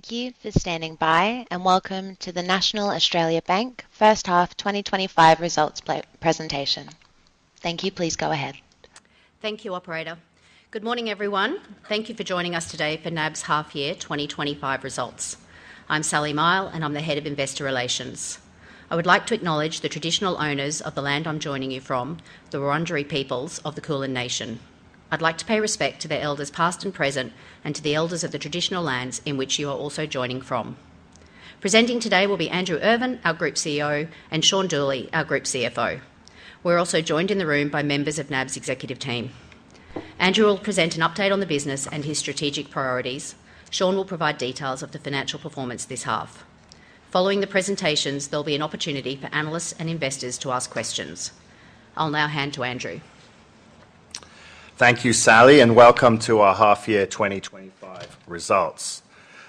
Thank you for standing by, and welcome to the National Australia Bank First Half 2025 Results Presentation. Thank you, please go ahead. Thank you, Operator. Good morning, everyone. Thank you for joining us today for NAB's Half-Year 2025 Results. I'm Sally Mihell, and I'm the Head of Investor Relations. I would like to acknowledge the traditional owners of the land I'm joining you from, the Wurundjeri People of the Kulin Nation. I'd like to pay respect to their elders past and present, and to the elders of the traditional lands in which you are also joining from. Presenting today will be Andrew Irvine, our Group CEO, and Shaun Dooley, our Group CFO. We're also joined in the room by members of NAB's executive team. Andrew will present an update on the business and his strategic priorities. Shaun will provide details of the financial performance this half. Following the presentations, there'll be an opportunity for analysts and investors to ask questions. I'll now hand to Andrew. Thank you, Sally, and welcome to our Half-Year 2025 Results.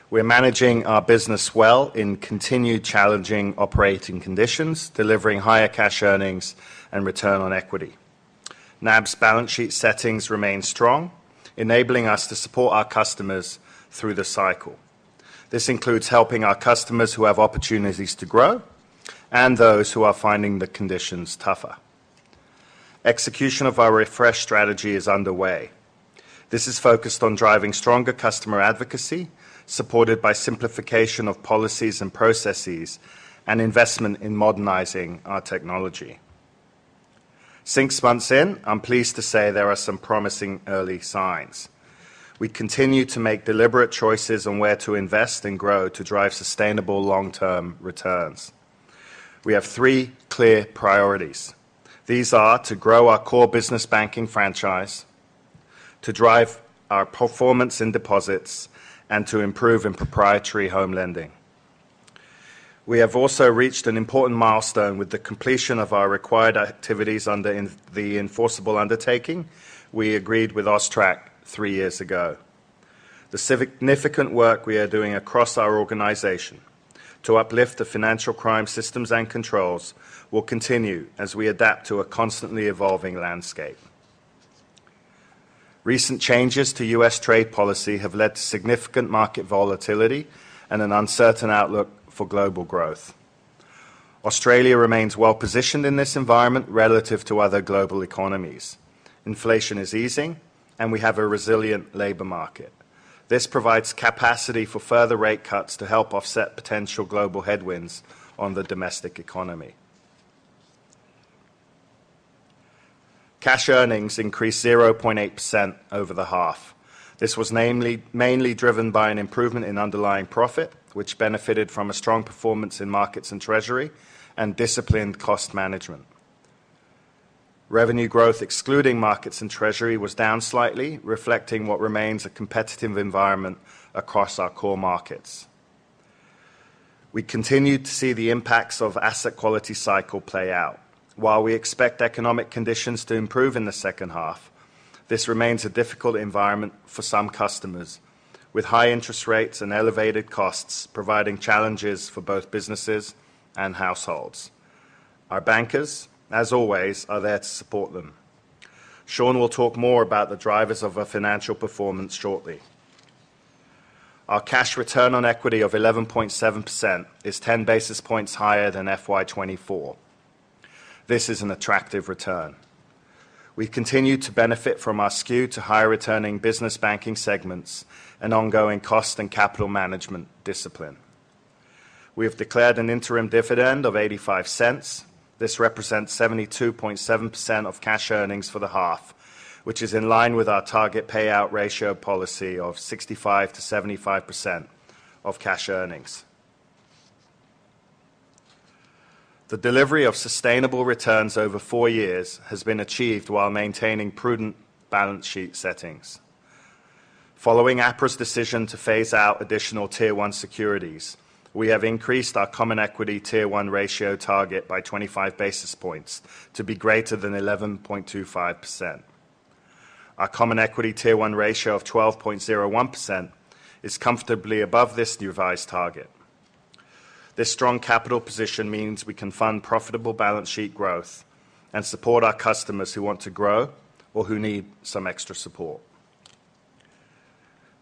We are managing our business well in continued challenging operating conditions, delivering higher cash earnings and return on equity. NAB's balance sheet settings remain strong, enabling us to support our customers through the cycle. This includes helping our customers who have opportunities to grow and those who are finding the conditions tougher. Execution of our refresh strategy is underway. This is focused on driving stronger customer advocacy, supported by simplification of policies and processes, and investment in modernizing our technology. Six months in, I am pleased to say there are some promising early signs. We continue to make deliberate choices on where to invest and grow to drive sustainable long-term returns. We have three clear priorities. These are to grow our core business banking franchise, to drive our performance in deposits, and to improve in proprietary home lending. We have also reached an important milestone with the completion of our required activities under the Enforceable Undertaking we agreed with AUSTRAC three years ago. The significant work we are doing across our organization to uplift the financial crime systems and controls will continue as we adapt to a constantly evolving landscape. Recent changes to U.S. trade policy have led to significant market volatility and an uncertain outlook for global growth. Australia remains well positioned in this environment relative to other global economies. Inflation is easing, and we have a resilient labor market. This provides capacity for further rate cuts to help offset potential global headwinds on the domestic economy. Cash earnings increased 0.8% over the half. This was mainly driven by an improvement in underlying profit, which benefited from a strong performance in markets and treasury and disciplined cost management. Revenue growth, excluding markets and treasury, was down slightly, reflecting what remains a competitive environment across our core markets. We continue to see the impacts of asset quality cycle play out. While we expect economic conditions to improve in the second half, this remains a difficult environment for some customers, with high interest rates and elevated costs providing challenges for both businesses and households. Our bankers, as always, are there to support them. Shaun will talk more about the drivers of our financial performance shortly. Our cash return on equity of 11.7% is 10 basis points higher than FY2024. This is an attractive return. We continue to benefit from our skew to higher returning business banking segments and ongoing cost and capital management discipline. We have declared an interim dividend of 0.85. This represents 72.7% of cash earnings for the half, which is in line with our target payout ratio policy of 65%-75% of cash earnings. The delivery of sustainable returns over four years has been achieved while maintaining prudent balance sheet settings. Following APRA's decision to phase out additional Tier 1 securities, we have increased our common equity Tier 1 ratio target by 25 basis points to be greater than 11.25%. Our common equity Tier 1 ratio of 12.01% is comfortably above this new revised target. This strong capital position means we can fund profitable balance sheet growth and support our customers who want to grow or who need some extra support.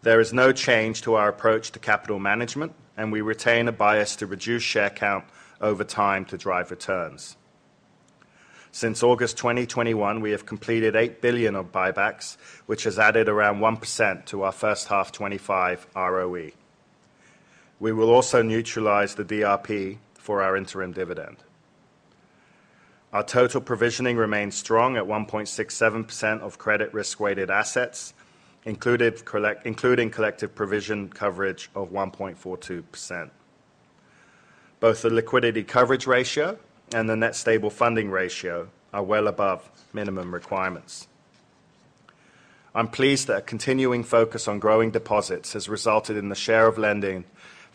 There is no change to our approach to capital management, and we retain a bias to reduce share count over time to drive returns. Since August 2021, we have completed 8 billion of buybacks, which has added around 1% to our first half 2025 ROE. We will also neutralize the DRP for our interim dividend. Our total provisioning remains strong at 1.67% of credit risk-weighted assets, including collective provision coverage of 1.42%. Both the liquidity coverage ratio and the net stable funding ratio are well above minimum requirements. I'm pleased that a continuing focus on growing deposits has resulted in the share of lending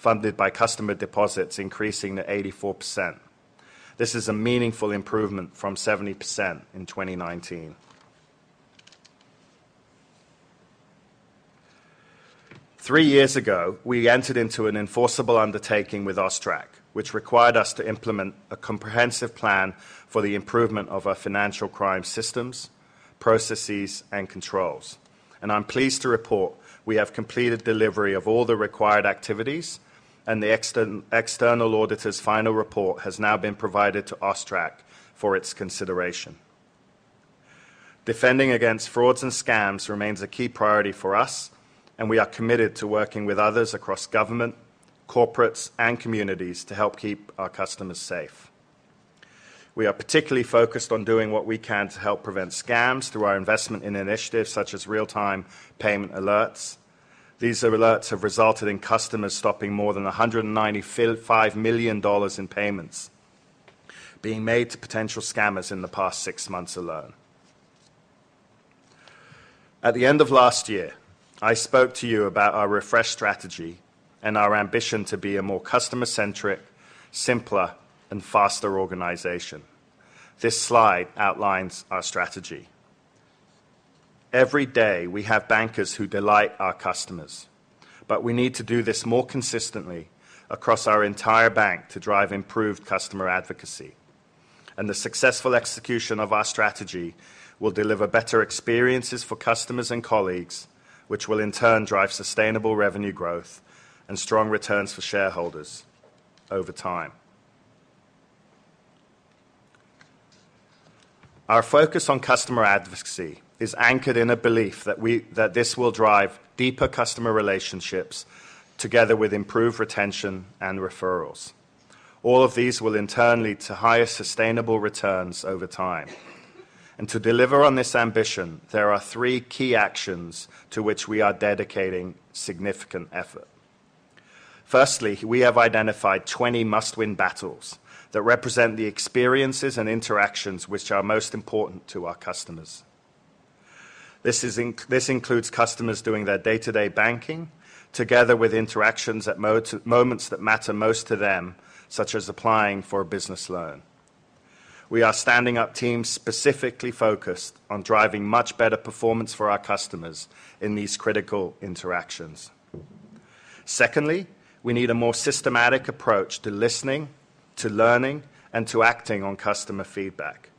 funded by customer deposits increasing to 84%. This is a meaningful improvement from 70% in 2019. Three years ago, we entered into an enforceable undertaking with AUSTRAC, which required us to implement a comprehensive plan for the improvement of our financial crime systems, processes, and controls. I'm pleased to report we have completed delivery of all the required activities, and the external auditor's final report has now been provided to AUSTRAC for its consideration. Defending against frauds and scams remains a key priority for us, and we are committed to working with others across government, corporates, and communities to help keep our customers safe. We are particularly focused on doing what we can to help prevent scams through our investment in initiatives such as real-time payment alerts. These alerts have resulted in customers stopping more than 195 million dollars in payments being made to potential scammers in the past six months alone. At the end of last year, I spoke to you about our refresh strategy and our ambition to be a more customer-centric, simpler, and faster organization. This slide outlines our strategy. Every day, we have bankers who delight our customers, but we need to do this more consistently across our entire bank to drive improved customer advocacy. The successful execution of our strategy will deliver better experiences for customers and colleagues, which will in turn drive sustainable revenue growth and strong returns for shareholders over time. Our focus on customer advocacy is anchored in a belief that this will drive deeper customer relationships, together with improved retention and referrals. All of these will in turn lead to higher sustainable returns over time. To deliver on this ambition, there are three key actions to which we are dedicating significant effort. Firstly, we have identified 20 must-win battles that represent the experiences and interactions which are most important to our customers. This includes customers doing their day-to-day banking, together with interactions at moments that matter most to them, such as applying for a business loan. We are standing up teams specifically focused on driving much better performance for our customers in these critical interactions. Secondly, we need a more systematic approach to listening, to learning, and to acting on customer feedback.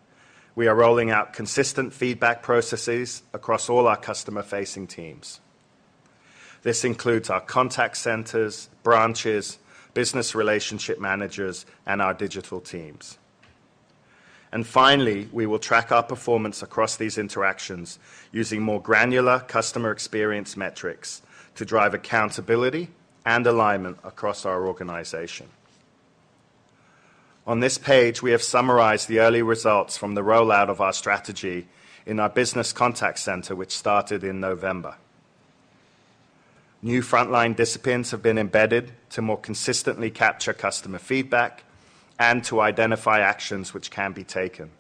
We are rolling out consistent feedback processes across all our customer-facing teams. This includes our contact centers, branches, business relationship managers, and our digital teams. Finally, we will track our performance across these interactions using more granular customer experience metrics to drive accountability and alignment across our organization. On this page, we have summarized the early results from the rollout of our strategy in our business contact center, which started in November. New frontline disciplines have been embedded to more consistently capture customer feedback and to identify actions which can be taken.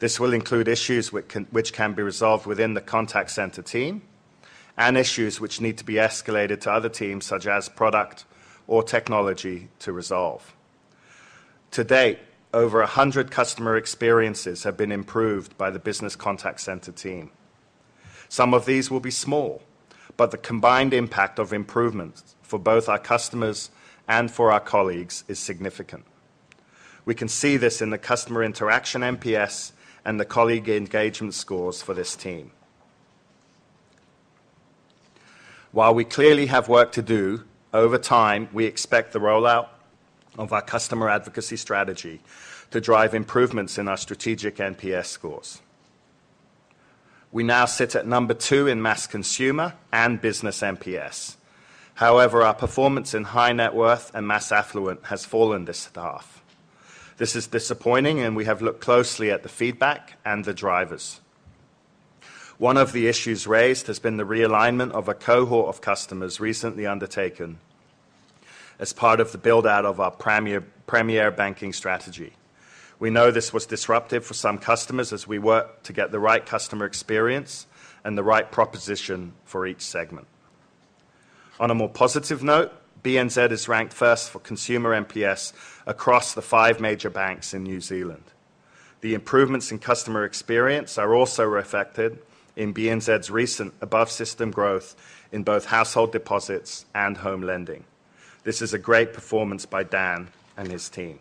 This will include issues which can be resolved within the contact center team and issues which need to be escalated to other teams, such as product or technology, to resolve. To date, over 100 customer experiences have been improved by the business contact center team. Some of these will be small, but the combined impact of improvements for both our customers and for our colleagues is significant. We can see this in the customer interaction MPS and the colleague engagement scores for this team. While we clearly have work to do, over time, we expect the rollout of our customer advocacy strategy to drive improvements in our strategic MPS scores. We now sit at number two in mass consumer and business MPS. However, our performance in high net worth and mass affluent has fallen this half. This is disappointing, and we have looked closely at the feedback and the drivers. One of the issues raised has been the realignment of a cohort of customers recently undertaken as part of the build-out of our premier banking strategy. We know this was disruptive for some customers as we worked to get the right customer experience and the right proposition for each segment. On a more positive note, BNZ is ranked first for consumer NPS across the five major banks in New Zealand. The improvements in customer experience are also reflected in BNZ's recent above-system growth in both household deposits and home lending. This is a great performance by Dan and his team.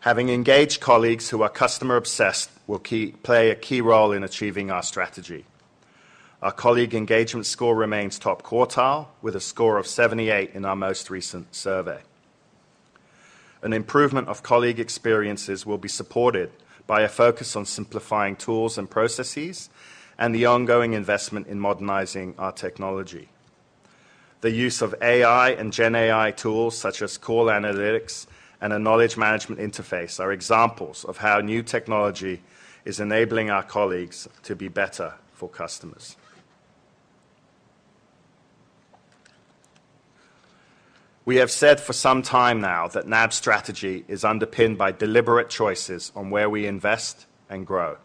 Having engaged colleagues who are customer-obsessed will play a key role in achieving our strategy. Our colleague engagement score remains top quartile, with a score of 78 in our most recent survey. An improvement of colleague experiences will be supported by a focus on simplifying tools and processes and the ongoing investment in modernizing our technology. The use of AI and GenAI tools, such as call analytics and a knowledge management interface, are examples of how new technology is enabling our colleagues to be better for customers. We have said for some time now that NAB's strategy is underpinned by deliberate choices on where we invest and grow.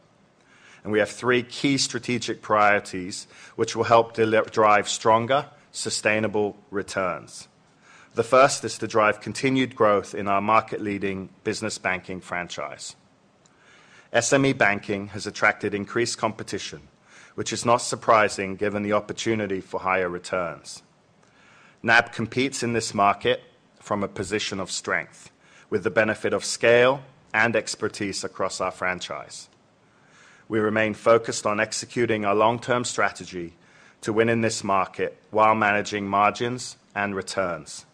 We have three key strategic priorities which will help drive stronger, sustainable returns. The first is to drive continued growth in our market-leading business banking franchise. SME banking has attracted increased competition, which is not surprising given the opportunity for higher returns. NAB competes in this market from a position of strength, with the benefit of scale and expertise across our franchise. We remain focused on executing our long-term strategy to win in this market while managing margins and returns.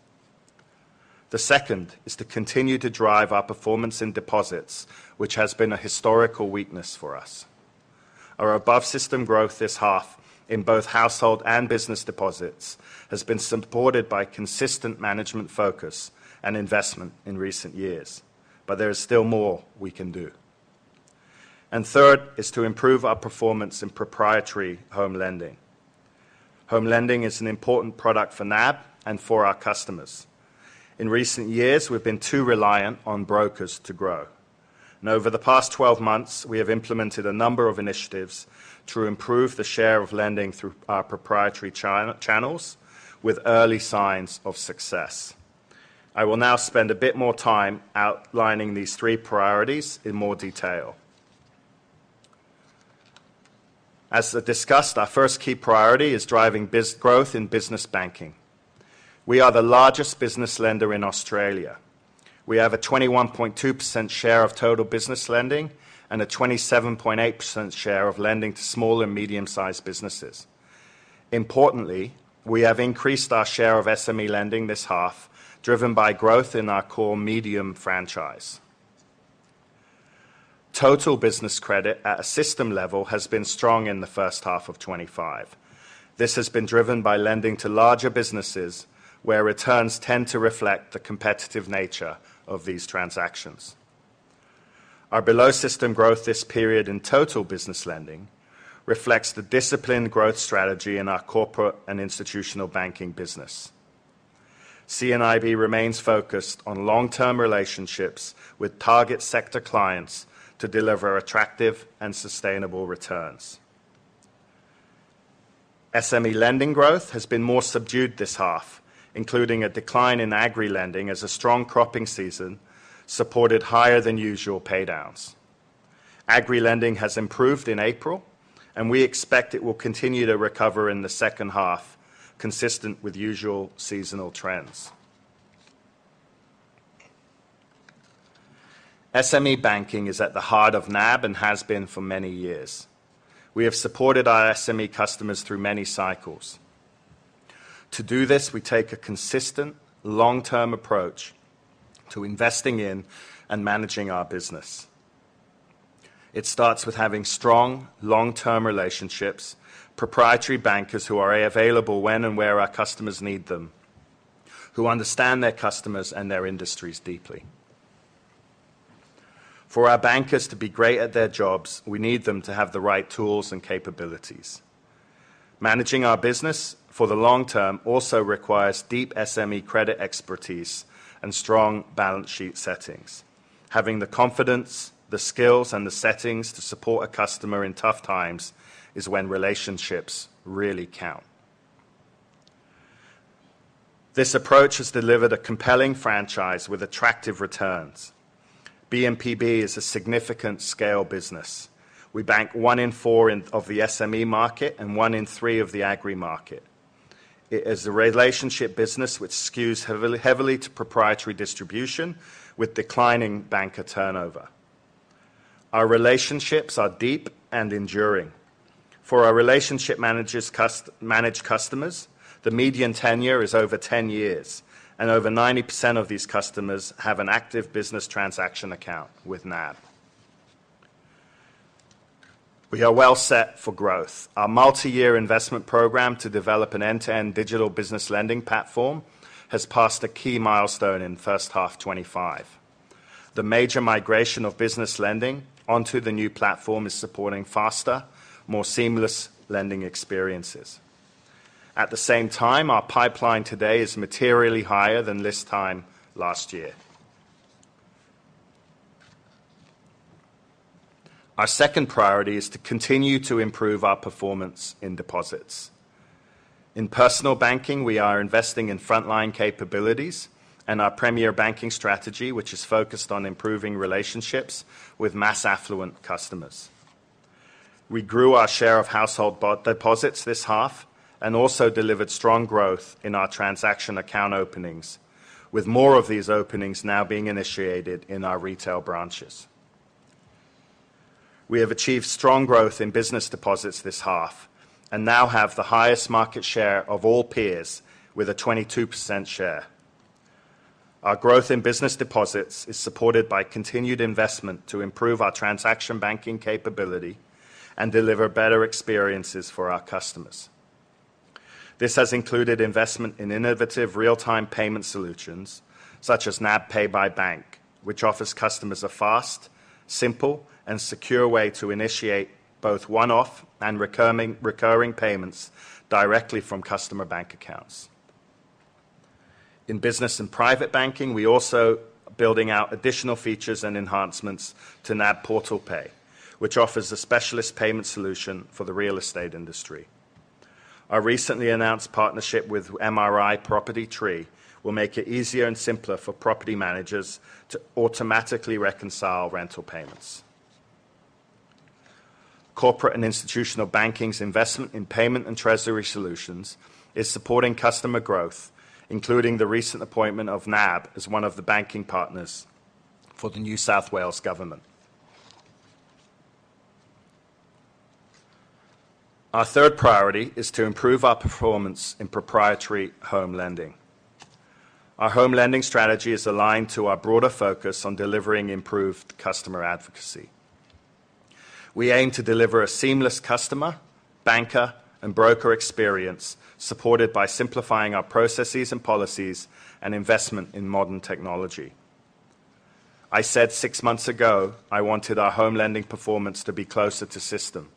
The second is to continue to drive our performance in deposits, which has been a historical weakness for us. Our above-system growth this half in both household and business deposits has been supported by consistent management focus and investment in recent years, but there is still more we can do. Third is to improve our performance in proprietary home lending. Home lending is an important product for NAB and for our customers. In recent years, we've been too reliant on brokers to grow. Over the past 12 months, we have implemented a number of initiatives to improve the share of lending through our proprietary channels, with early signs of success. I will now spend a bit more time outlining these three priorities in more detail. As discussed, our first key priority is driving growth in business banking. We are the largest business lender in Australia. We have a 21.2% share of total business lending and a 27.8% share of lending to small and medium-sized businesses. Importantly, we have increased our share of SME lending this half, driven by growth in our core medium franchise. Total business credit at a system level has been strong in the first half of 2025. This has been driven by lending to larger businesses where returns tend to reflect the competitive nature of these transactions. Our below-system growth this period in total business lending reflects the disciplined growth strategy in our corporate and institutional banking business. CNIB remains focused on long-term relationships with target sector clients to deliver attractive and sustainable returns. SME lending growth has been more subdued this half, including a decline in agri lending as a strong cropping season supported higher-than-usual paydowns. Agri lending has improved in April, and we expect it will continue to recover in the second half, consistent with usual seasonal trends. SME banking is at the heart of NAB and has been for many years. We have supported our SME customers through many cycles. To do this, we take a consistent, long-term approach to investing in and managing our business. It starts with having strong, long-term relationships, proprietary bankers who are available when and where our customers need them, who understand their customers and their industries deeply. For our bankers to be great at their jobs, we need them to have the right tools and capabilities. Managing our business for the long term also requires deep SME credit expertise and strong balance sheet settings. Having the confidence, the skills, and the settings to support a customer in tough times is when relationships really count. This approach has delivered a compelling franchise with attractive returns. BNPP is a significant scale business. We bank one in four of the SME market and one in three of the agri market. It is a relationship business which skews heavily to proprietary distribution with declining banker turnover. Our relationships are deep and enduring. For our relationship managers' customers, the median tenure is over 10 years, and over 90% of these customers have an active business transaction account with NAB. We are well set for growth. Our multi-year investment program to develop an end-to-end digital business lending platform has passed a key milestone in first half 2025. The major migration of business lending onto the new platform is supporting faster, more seamless lending experiences. At the same time, our pipeline today is materially higher than this time last year. Our second priority is to continue to improve our performance in deposits. In personal banking, we are investing in frontline capabilities and our premier banking strategy, which is focused on improving relationships with mass affluent customers. We grew our share of household deposits this half and also delivered strong growth in our transaction account openings, with more of these openings now being initiated in our retail branches. We have achieved strong growth in business deposits this half and now have the highest market share of all peers with a 22% share. Our growth in business deposits is supported by continued investment to improve our transaction banking capability and deliver better experiences for our customers. This has included investment in innovative real-time payment solutions such as NAB Pay by Bank, which offers customers a fast, simple, and secure way to initiate both one-off and recurring payments directly from customer bank accounts. In business and private banking, we are also building out additional features and enhancements to NAB Portal Pay, which offers a specialist payment solution for the real estate industry. Our recently announced partnership with MRI Property Tree will make it easier and simpler for property managers to automatically reconcile rental payments. Corporate and institutional banking's investment in payment and treasury solutions is supporting customer growth, including the recent appointment of NAB as one of the banking partners for the New South Wales Government. Our third priority is to improve our performance in proprietary home lending. Our home lending strategy is aligned to our broader focus on delivering improved customer advocacy. We aim to deliver a seamless customer, banker, and broker experience supported by simplifying our processes and policies and investment in modern technology. I said six months ago I wanted our home lending performance to be closer to system,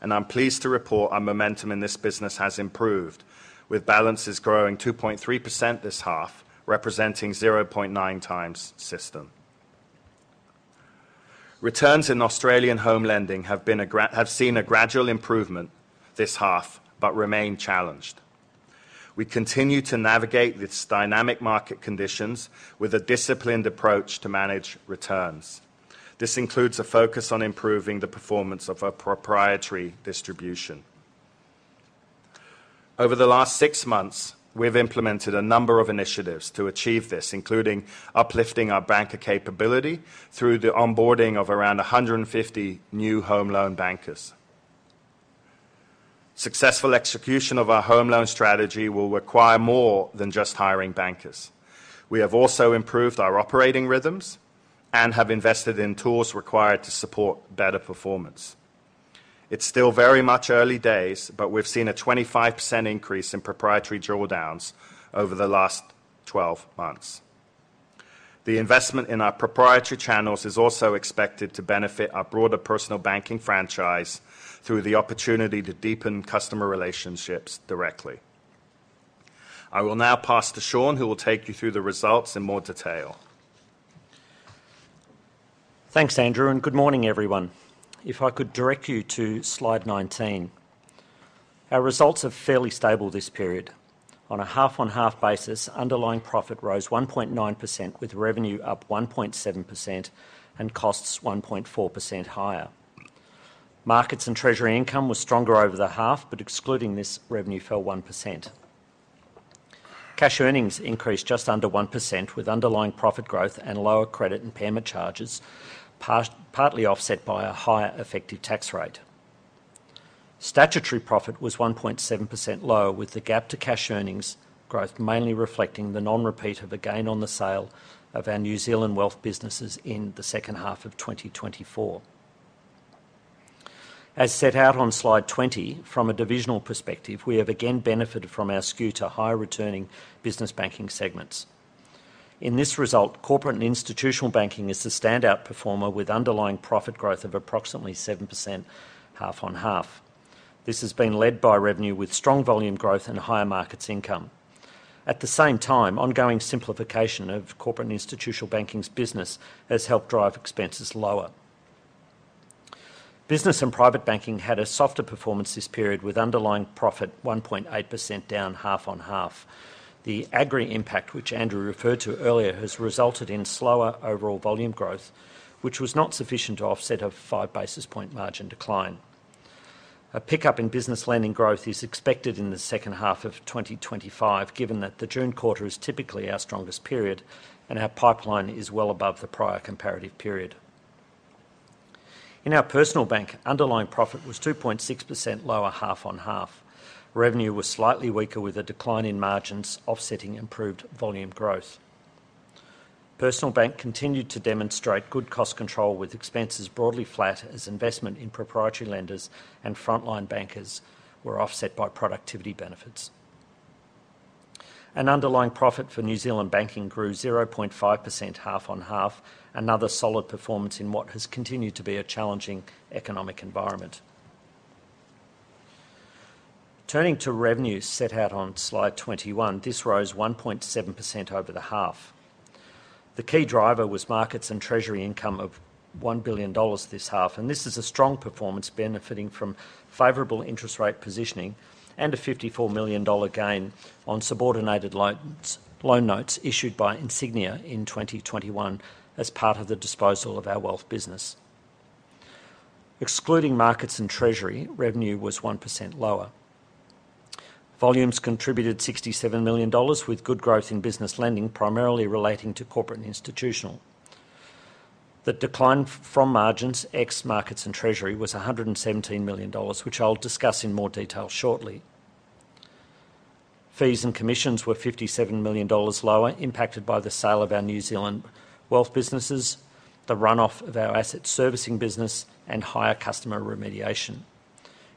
and I'm pleased to report our momentum in this business has improved, with balances growing 2.3% this half, representing 0.9 times system. Returns in Australian home lending have seen a gradual improvement this half but remain challenged. We continue to navigate these dynamic market conditions with a disciplined approach to manage returns. This includes a focus on improving the performance of our proprietary distribution. Over the last six months, we've implemented a number of initiatives to achieve this, including uplifting our banker capability through the onboarding of around 150 new home loan bankers. Successful execution of our home loan strategy will require more than just hiring bankers. We have also improved our operating rhythms and have invested in tools required to support better performance. It's still very much early days, but we've seen a 25% increase in proprietary drawdowns over the last 12 months. The investment in our proprietary channels is also expected to benefit our broader personal banking franchise through the opportunity to deepen customer relationships directly. I will now pass to Shaun, who will take you through the results in more detail. Thanks, Andrew, and good morning, everyone. If I could direct you to slide 19. Our results are fairly stable this period. On a half-on-half basis, underlying profit rose 1.9%, with revenue up 1.7% and costs 1.4% higher. Markets and treasury income were stronger over the half, but excluding this, revenue fell 1%. Cash earnings increased just under 1%, with underlying profit growth and lower credit impairment charges partly offset by a higher effective tax rate. Statutory profit was 1.7% lower, with the gap to cash earnings growth mainly reflecting the non-repeat of a gain on the sale of our New Zealand wealth businesses in the second half of 2024. As set out on slide 20, from a divisional perspective, we have again benefited from our skew to high-returning business banking segments. In this result, Corporate and Institutional Banking is the standout performer with underlying profit growth of approximately 7% half-on-half. This has been led by revenue with strong volume growth and higher markets income. At the same time, ongoing simplification of Corporate and Institutional Banking's business has helped drive expenses lower. Business and Private Banking had a softer performance this period, with underlying profit 1.8% down half-on-half. The agri impact, which Andrew referred to earlier, has resulted in slower overall volume growth, which was not sufficient to offset a five basis point margin decline. A pickup in business lending growth is expected in the second half of 2025, given that the June quarter is typically our strongest period and our pipeline is well above the prior comparative period. In our personal bank, underlying profit was 2.6% lower half-on-half. Revenue was slightly weaker, with a decline in margins offsetting improved volume growth. Personal bank continued to demonstrate good cost control with expenses broadly flat as investment in proprietary lenders and frontline bankers were offset by productivity benefits. Underlying profit for New Zealand banking grew 0.5% half-on-half, another solid performance in what has continued to be a challenging economic environment. Turning to revenue set out on slide 21, this rose 1.7% over the half. The key driver was markets and treasury income of 1 billion dollars this half, and this is a strong performance benefiting from favorable interest rate positioning and a 54 million dollar gain on subordinated loan notes issued by Insignia in 2021 as part of the disposal of our wealth business. Excluding markets and treasury, revenue was 1% lower. Volumes contributed 67 million dollars, with good growth in business lending primarily relating to corporate and institutional. The decline from margins ex markets and treasury was 117 million dollars, which I'll discuss in more detail shortly. Fees and commissions were 57 million dollars lower, impacted by the sale of our New Zealand wealth businesses, the runoff of our asset servicing business, and higher customer remediation.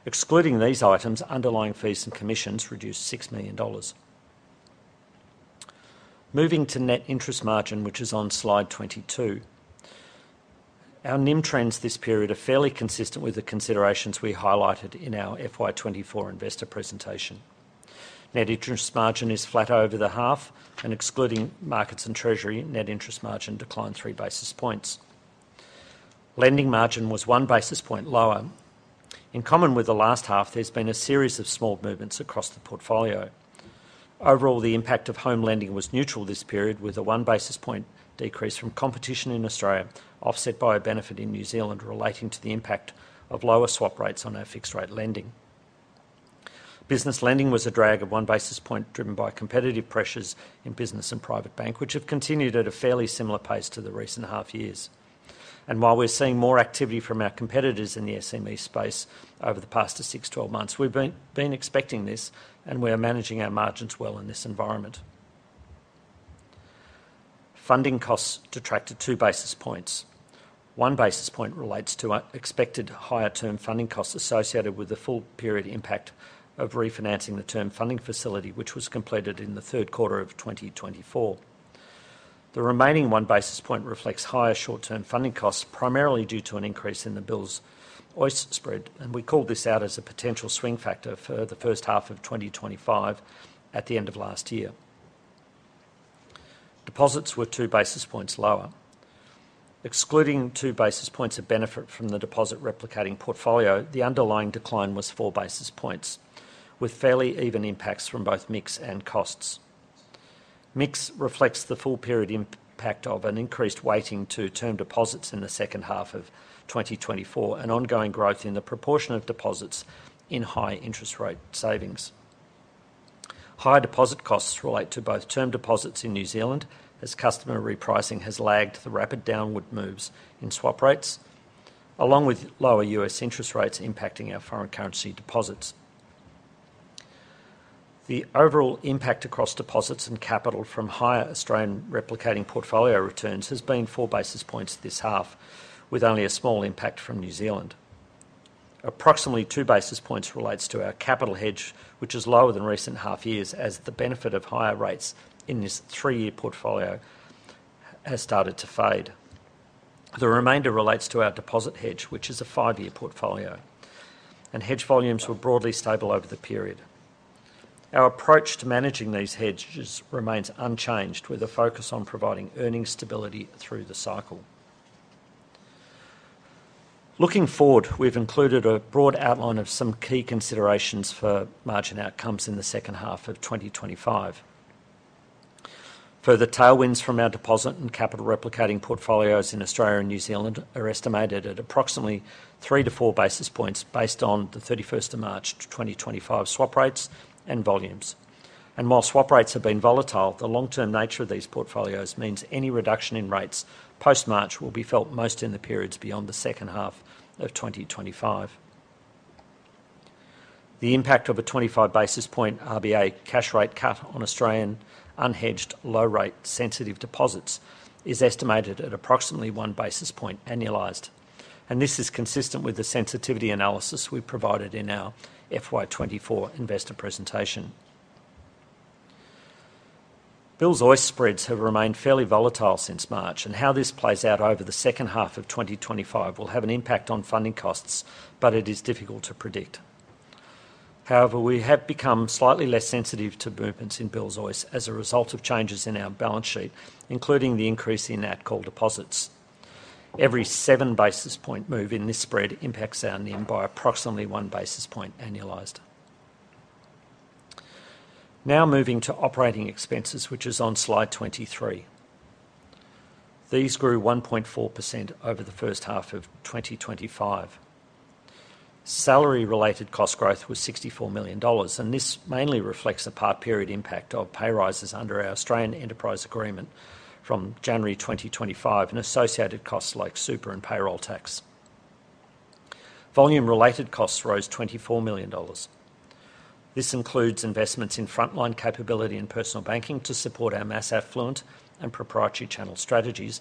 Excluding these items, underlying fees and commissions reduced 6 million dollars. Moving to net interest margin, which is on slide 22. Our NIM trends this period are fairly consistent with the considerations we highlighted in our FY24 investor presentation. Net interest margin is flat over the half, and excluding markets and treasury, net interest margin declined three basis points. Lending margin was one basis point lower. In common with the last half, there has been a series of small movements across the portfolio. Overall, the impact of home lending was neutral this period, with a one basis point decrease from competition in Australia offset by a benefit in New Zealand relating to the impact of lower swap rates on our fixed rate lending. Business lending was a drag of one basis point driven by competitive pressures in business and private bank, which have continued at a fairly similar pace to the recent half years. While we're seeing more activity from our competitors in the SME space over the past 6 to 12 months, we've been expecting this, and we are managing our margins well in this environment. Funding costs detracted two basis points. One basis point relates to expected higher term funding costs associated with the full period impact of refinancing the term funding facility, which was completed in the third quarter of 2024. The remaining one basis point reflects higher short-term funding costs, primarily due to an increase in the bill's OIS spread, and we called this out as a potential swing factor for the first half of 2025 at the end of last year. Deposits were two basis points lower. Excluding two basis points of benefit from the deposit replicating portfolio, the underlying decline was four basis points, with fairly even impacts from both mix and costs. Mix reflects the full period impact of an increased weighting to term deposits in the second half of 2024 and ongoing growth in the proportion of deposits in high interest rate savings. Higher deposit costs relate to both term deposits in New Zealand as customer repricing has lagged the rapid downward moves in swap rates, along with lower US interest rates impacting our foreign currency deposits. The overall impact across deposits and capital from higher Australian replicating portfolio returns has been four basis points this half, with only a small impact from New Zealand. Approximately two basis points relates to our capital hedge, which is lower than recent half years as the benefit of higher rates in this three-year portfolio has started to fade. The remainder relates to our deposit hedge, which is a five-year portfolio, and hedge volumes were broadly stable over the period. Our approach to managing these hedges remains unchanged, with a focus on providing earnings stability through the cycle. Looking forward, we've included a broad outline of some key considerations for margin outcomes in the second half of 2025. Further tailwinds from our deposit and capital replicating portfolios in Australia and New Zealand are estimated at approximately three to four basis points based on the 31st of March 2025 swap rates and volumes. While swap rates have been volatile, the long-term nature of these portfolios means any reduction in rates post-March will be felt most in the periods beyond the second half of 2025. The impact of a 25 basis point RBA cash rate cut on Australian unhedged, low-rate sensitive deposits is estimated at approximately one basis point annualized, and this is consistent with the sensitivity analysis we provided in our FY24 investor presentation. Bill's OIS spreads have remained fairly volatile since March, and how this plays out over the second half of 2025 will have an impact on funding costs, but it is difficult to predict. However, we have become slightly less sensitive to movements in Bill's OIS as a result of changes in our balance sheet, including the increase in outcall deposits. Every seven basis point move in this spread impacts our NIM by approximately one basis point annualized. Now moving to operating expenses, which is on slide 23. These grew 1.4% over the first half of 2025. Salary-related cost growth was 64 million dollars, and this mainly reflects the past period impact of pay rises under our Australian Enterprise Agreement from January 2025 and associated costs like super and payroll tax. Volume-related costs rose 24 million dollars. This includes investments in frontline capability and personal banking to support our mass affluent and proprietary channel strategies,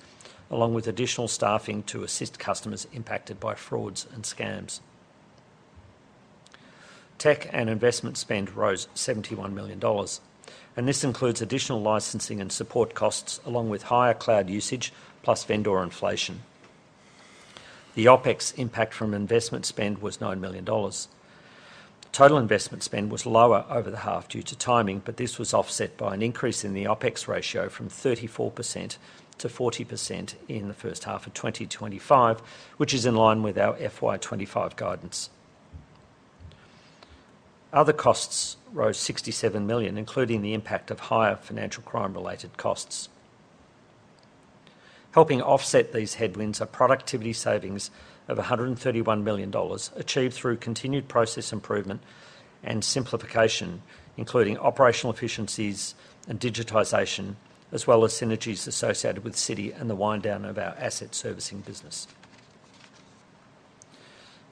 along with additional staffing to assist customers impacted by frauds and scams. Tech and investment spend rose 71 million dollars, and this includes additional licensing and support costs, along with higher cloud usage plus vendor inflation. The OPEX impact from investment spend was 9 million dollars. Total investment spend was lower over the half due to timing, but this was offset by an increase in the OPEX ratio from 34% to 40% in the first half of 2025, which is in line with our FY25 guidance. Other costs rose 67 million, including the impact of higher financial crime-related costs. Helping offset these headwinds are productivity savings of 131 million dollars, achieved through continued process improvement and simplification, including operational efficiencies and digitization, as well as synergies associated with Citi and the wind down of our asset servicing business.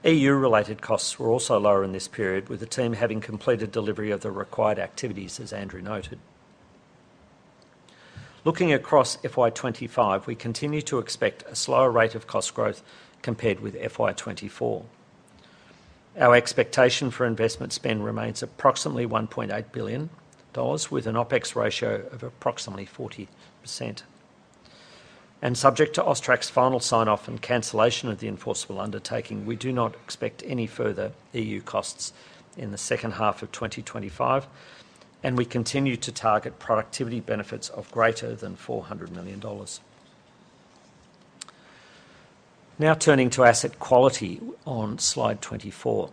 EU-related costs were also lower in this period, with the team having completed delivery of the required activities, as Andrew noted. Looking across FY25, we continue to expect a slower rate of cost growth compared with FY2024. Our expectation for investment spend remains approximately 1.8 billion dollars, with an OPEX ratio of approximately 40%. Subject to AUSTRAC's final sign-off and cancellation of the Enforceable Undertaking, we do not expect any further EU costs in the second half of 2025, and we continue to target productivity benefits of greater than 400 million dollars. Now turning to asset quality on slide 24.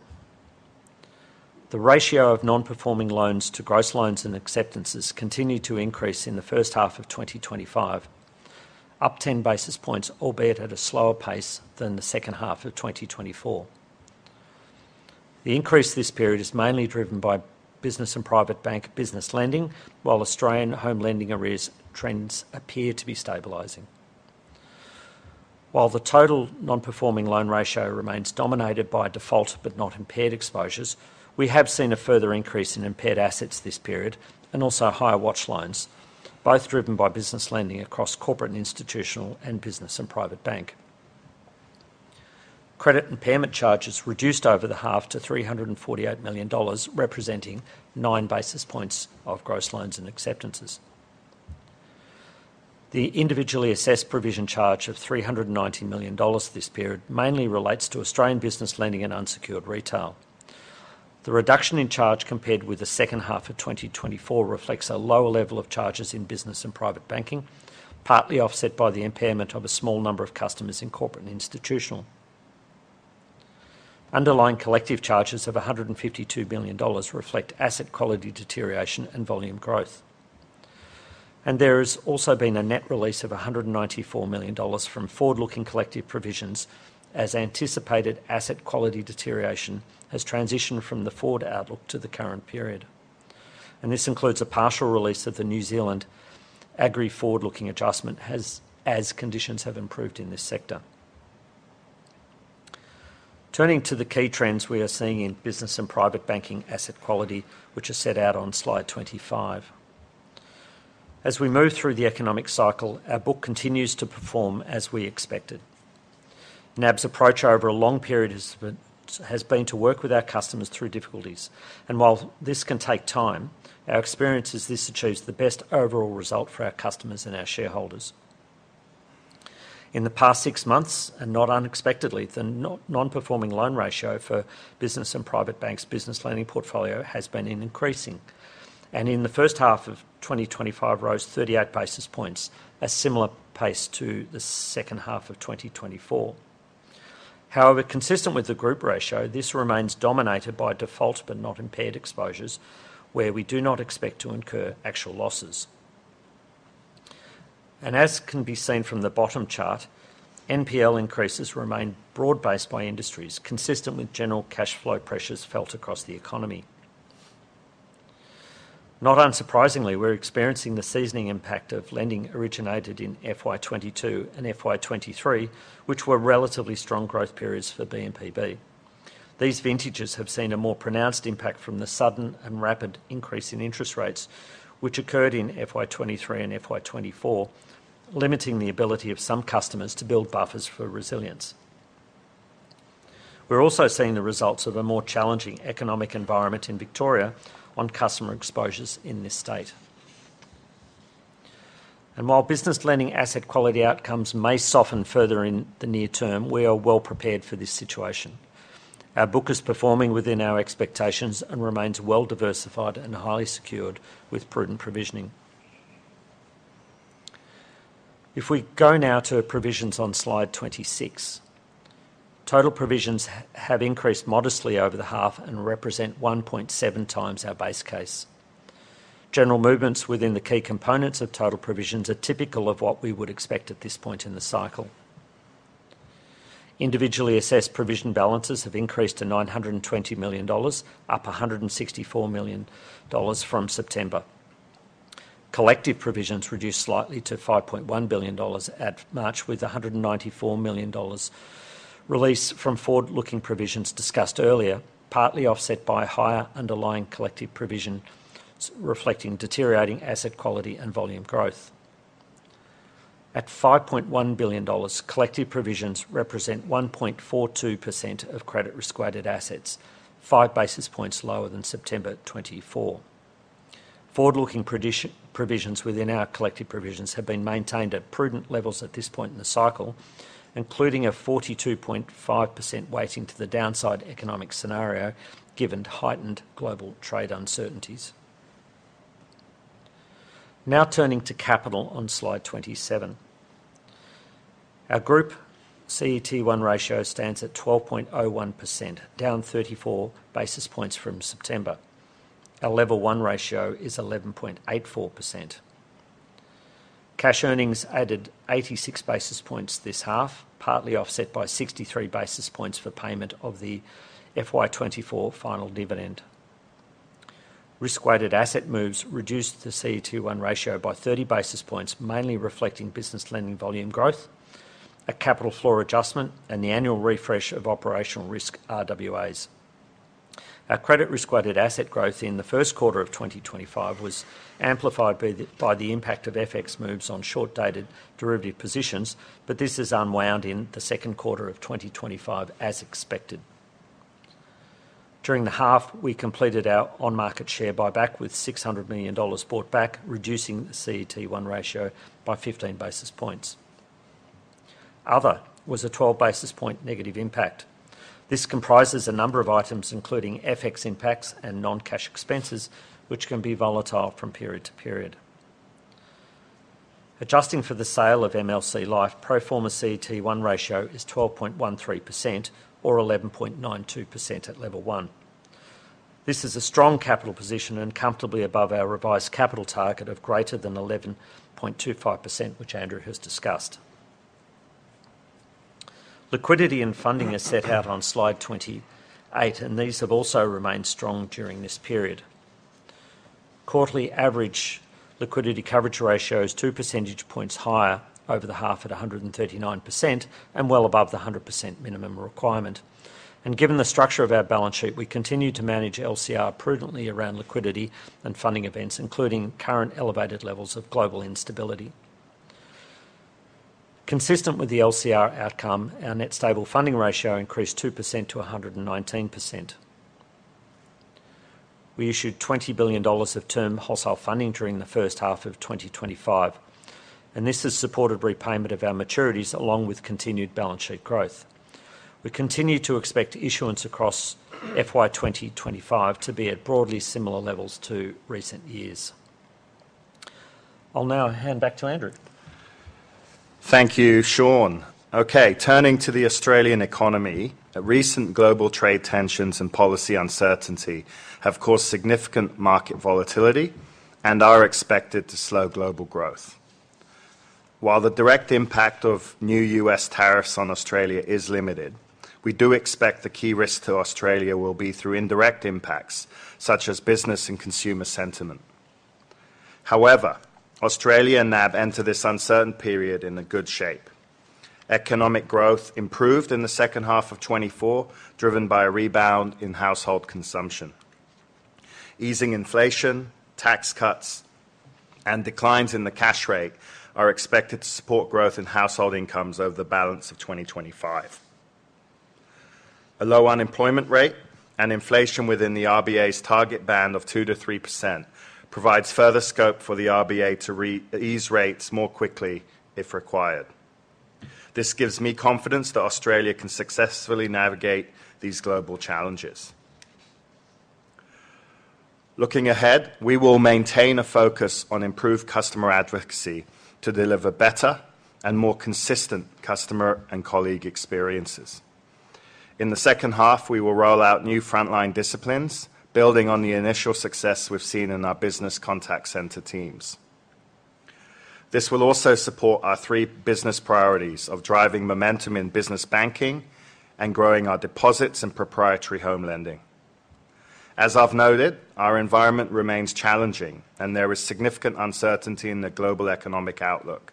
The ratio of non-performing loans to gross loans and acceptances continued to increase in the first half of 2025, up 10 basis points, albeit at a slower pace than the second half of 2024. The increase this period is mainly driven by business and private bank business lending, while Australian home lending arrears trends appear to be stabilizing. While the total non-performing loan ratio remains dominated by default but not impaired exposures, we have seen a further increase in impaired assets this period and also higher watch lines, both driven by business lending across corporate and institutional and business and private bank. Credit impairment charges reduced over the half to 348 million dollars, representing 9 basis points of gross loans and acceptances. The individually assessed provision charge of 390 million dollars this period mainly relates to Australian business lending and unsecured retail. The reduction in charge compared with the second half of 2024 reflects a lower level of charges in business and private banking, partly offset by the impairment of a small number of customers in corporate and institutional. Underlying collective charges of 152 million dollars reflect asset quality deterioration and volume growth. There has also been a net release of 194 million dollars from forward-looking collective provisions as anticipated asset quality deterioration has transitioned from the forward outlook to the current period. This includes a partial release of the New Zealand agri forward-looking adjustment as conditions have improved in this sector. Turning to the key trends we are seeing in business and private banking asset quality, which are set out on slide 25. As we move through the economic cycle, our book continues to perform as we expected. NAB's approach over a long period has been to work with our customers through difficulties. While this can take time, our experience is this achieves the best overall result for our customers and our shareholders. In the past six months, and not unexpectedly, the non-performing loan ratio for Business and Private Bank's business lending portfolio has been increasing. In the first half of 2025, it rose 38 basis points, a similar pace to the second half of 2024. However, consistent with the group ratio, this remains dominated by default but not impaired exposures, where we do not expect to incur actual losses. As can be seen from the bottom chart, NPL increases remain broad-based by industries, consistent with general cash flow pressures felt across the economy. Not unsurprisingly, we're experiencing the seasoning impact of lending originated in FY22 and FY23, which were relatively strong growth periods for BNPB. These vintages have seen a more pronounced impact from the sudden and rapid increase in interest rates, which occurred in FY23 and FY24, limiting the ability of some customers to build buffers for resilience. We're also seeing the results of a more challenging economic environment in Victoria on customer exposures in this state. While business lending asset quality outcomes may soften further in the near term, we are well prepared for this situation. Our book is performing within our expectations and remains well diversified and highly secured with prudent provisioning. If we go now to provisions on slide 26, total provisions have increased modestly over the half and represent 1.7 times our base case. General movements within the key components of total provisions are typical of what we would expect at this point in the cycle. Individually assessed provision balances have increased to 920 million dollars, up 164 million dollars from September. Collective provisions reduced slightly to 5.1 billion dollars at March, with 194 million dollars release from forward-looking provisions discussed earlier, partly offset by higher underlying collective provisions reflecting deteriorating asset quality and volume growth. At 5.1 billion dollars, collective provisions represent 1.42% of credit risk-weighted assets, five basis points lower than September 2024. Forward-looking provisions within our collective provisions have been maintained at prudent levels at this point in the cycle, including a 42.5% weighting to the downside economic scenario given heightened global trade uncertainties. Now turning to capital on slide 27. Our group CET1 ratio stands at 12.01%, down 34 basis points from September. Our level one ratio is 11.84%. Cash earnings added 86 basis points this half, partly offset by 63 basis points for payment of the FY2024 final dividend. Risk-weighted asset moves reduced the CET1 ratio by 30 basis points, mainly reflecting business lending volume growth, a capital floor adjustment, and the annual refresh of operational risk RWAs. Our credit risk-weighted asset growth in the first quarter of 2025 was amplified by the impact of FX moves on short-dated derivative positions, but this is unwound in the second quarter of 2025, as expected. During the half, we completed our on-market share buyback with 600 million dollars bought back, reducing the CET1 ratio by 15 basis points. Other was a 12 basis point negative impact. This comprises a number of items, including FX impacts and non-cash expenses, which can be volatile from period to period. Adjusting for the sale of MLC Life, pro forma CET1 ratio is 12.13% or 11.92% at level one. This is a strong capital position and comfortably above our revised capital target of greater than 11.25%, which Andrew has discussed. Liquidity and funding are set out on slide 28, and these have also remained strong during this period. Quarterly average liquidity coverage ratio is two percentage points higher over the half at 139% and well above the 100% minimum requirement. Given the structure of our balance sheet, we continue to manage LCR prudently around liquidity and funding events, including current elevated levels of global instability. Consistent with the LCR outcome, our net stable funding ratio increased 2% to 119%. We issued 20 billion dollars of term wholesale funding during the first half of 2025, and this has supported repayment of our maturities along with continued balance sheet growth. We continue to expect issuance across FY20-FY25 to be at broadly similar levels to recent years. I'll now hand back to Andrew. Thank you, Shaun. Okay, turning to the Australian economy, recent global trade tensions and policy uncertainty have caused significant market volatility and are expected to slow global growth. While the direct impact of new US tariffs on Australia is limited, we do expect the key risk to Australia will be through indirect impacts such as business and consumer sentiment. However, Australia and NAB enter this uncertain period in good shape. Economic growth improved in the second half of 2024, driven by a rebound in household consumption. Easing inflation, tax cuts, and declines in the cash rate are expected to support growth in household incomes over the balance of 2025. A low unemployment rate and inflation within the RBA's target band of 2-3% provides further scope for the RBA to ease rates more quickly if required. This gives me confidence that Australia can successfully navigate these global challenges. Looking ahead, we will maintain a focus on improved customer advocacy to deliver better and more consistent customer and colleague experiences. In the second half, we will roll out new frontline disciplines, building on the initial success we've seen in our business contact center teams. This will also support our three business priorities of driving momentum in business banking and growing our deposits and proprietary home lending. As I've noted, our environment remains challenging, and there is significant uncertainty in the global economic outlook.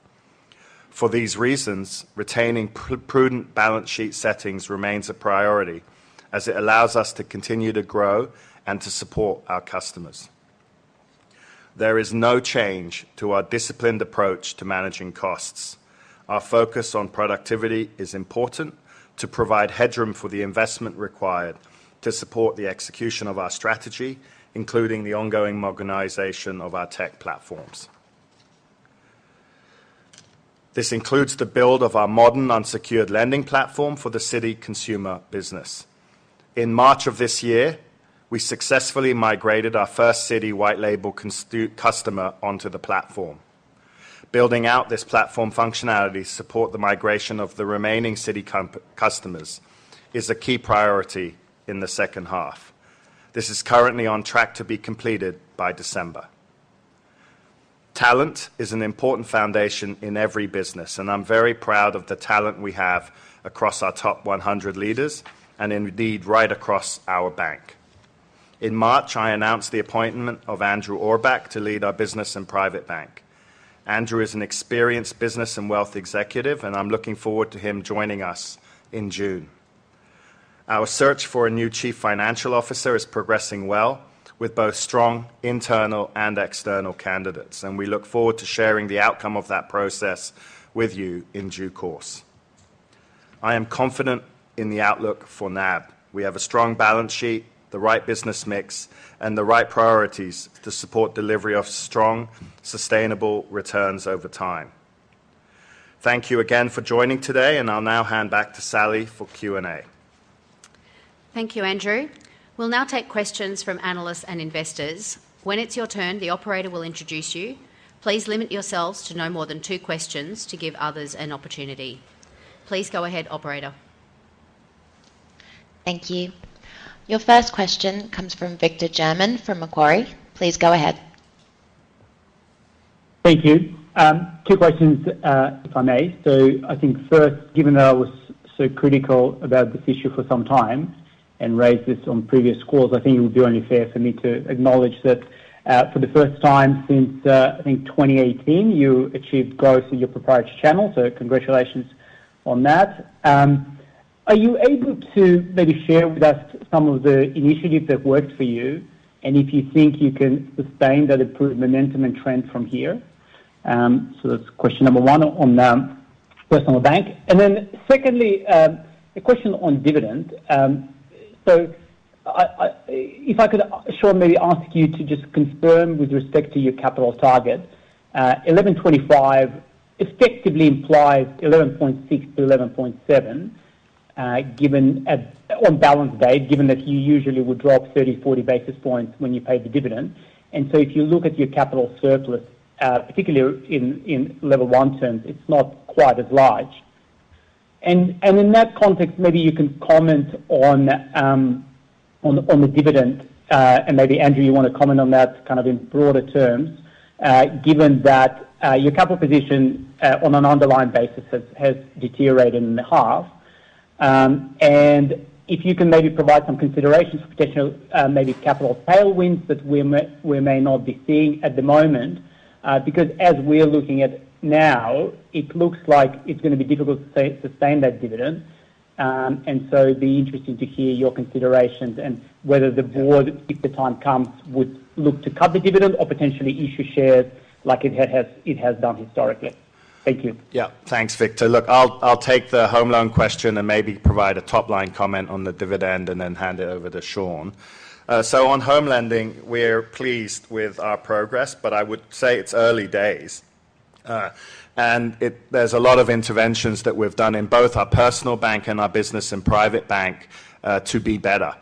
For these reasons, retaining prudent balance sheet settings remains a priority as it allows us to continue to grow and to support our customers. There is no change to our disciplined approach to managing costs. Our focus on productivity is important to provide headroom for the investment required to support the execution of our strategy, including the ongoing modernization of our tech platforms. This includes the build of our modern unsecured lending platform for the Citi consumer business. In March of this year, we successfully migrated our first Citi white label customer onto the platform. Building out this platform functionality to support the migration of the remaining Citi customers is a key priority in the second half. This is currently on track to be completed by December. Talent is an important foundation in every business, and I'm very proud of the talent we have across our top 100 leaders and indeed right across our bank. In March, I announced the appointment of Andrew Orbach to lead our Business and Private Bank. Andrew is an experienced business and wealth executive, and I'm looking forward to him joining us in June. Our search for a new Chief Financial Officer is progressing well with both strong internal and external candidates, and we look forward to sharing the outcome of that process with you in due course. I am confident in the outlook for NAB. We have a strong balance sheet, the right business mix, and the right priorities to support delivery of strong, sustainable returns over time. Thank you again for joining today, and I'll now hand back to Sally for Q&A. Thank you, Andrew. We'll now take questions from analysts and investors. When it's your turn, the operator will introduce you. Please limit yourselves to no more than two questions to give others an opportunity. Please go ahead, operator. Thank you. Your first question comes from Victor German from Macquarie. Please go ahead. Thank you. Two questions, if I may. I think first, given that I was so critical about this issue for some time and raised this on previous calls, I think it would be only fair for me to acknowledge that for the first time since I think 2018, you achieved growth in your proprietary channel. Congratulations on that. Are you able to maybe share with us some of the initiatives that worked for you and if you think you can sustain that improved momentum and trend from here? That is question number one on personal bank. Secondly, a question on dividend. If I could, Shaun, maybe ask you to just confirm with respect to your capital target, 11.25 effectively implies 11.6-11.7 on balance date, given that you usually would drop 30-40 basis points when you pay the dividend. If you look at your capital surplus, particularly in level one terms, it's not quite as large. In that context, maybe you can comment on the dividend. Maybe, Andrew, you want to comment on that in broader terms, given that your capital position on an underlying basis has deteriorated in the half. If you can provide some considerations for potential capital tailwinds that we may not be seeing at the moment, because as we're looking at it now, it looks like it's going to be difficult to sustain that dividend. It would be interesting to hear your considerations and whether the board, if the time comes, would look to cut the dividend or potentially issue shares like it has done historically. Thank you. Yeah, thanks, Victor. Look, I'll take the home loan question and maybe provide a top-line comment on the dividend and then hand it over to Shaun. On home lending, we're pleased with our progress, but I would say it's early days. There's a lot of interventions that we've done in both our personal bank and our business and private bank to be better.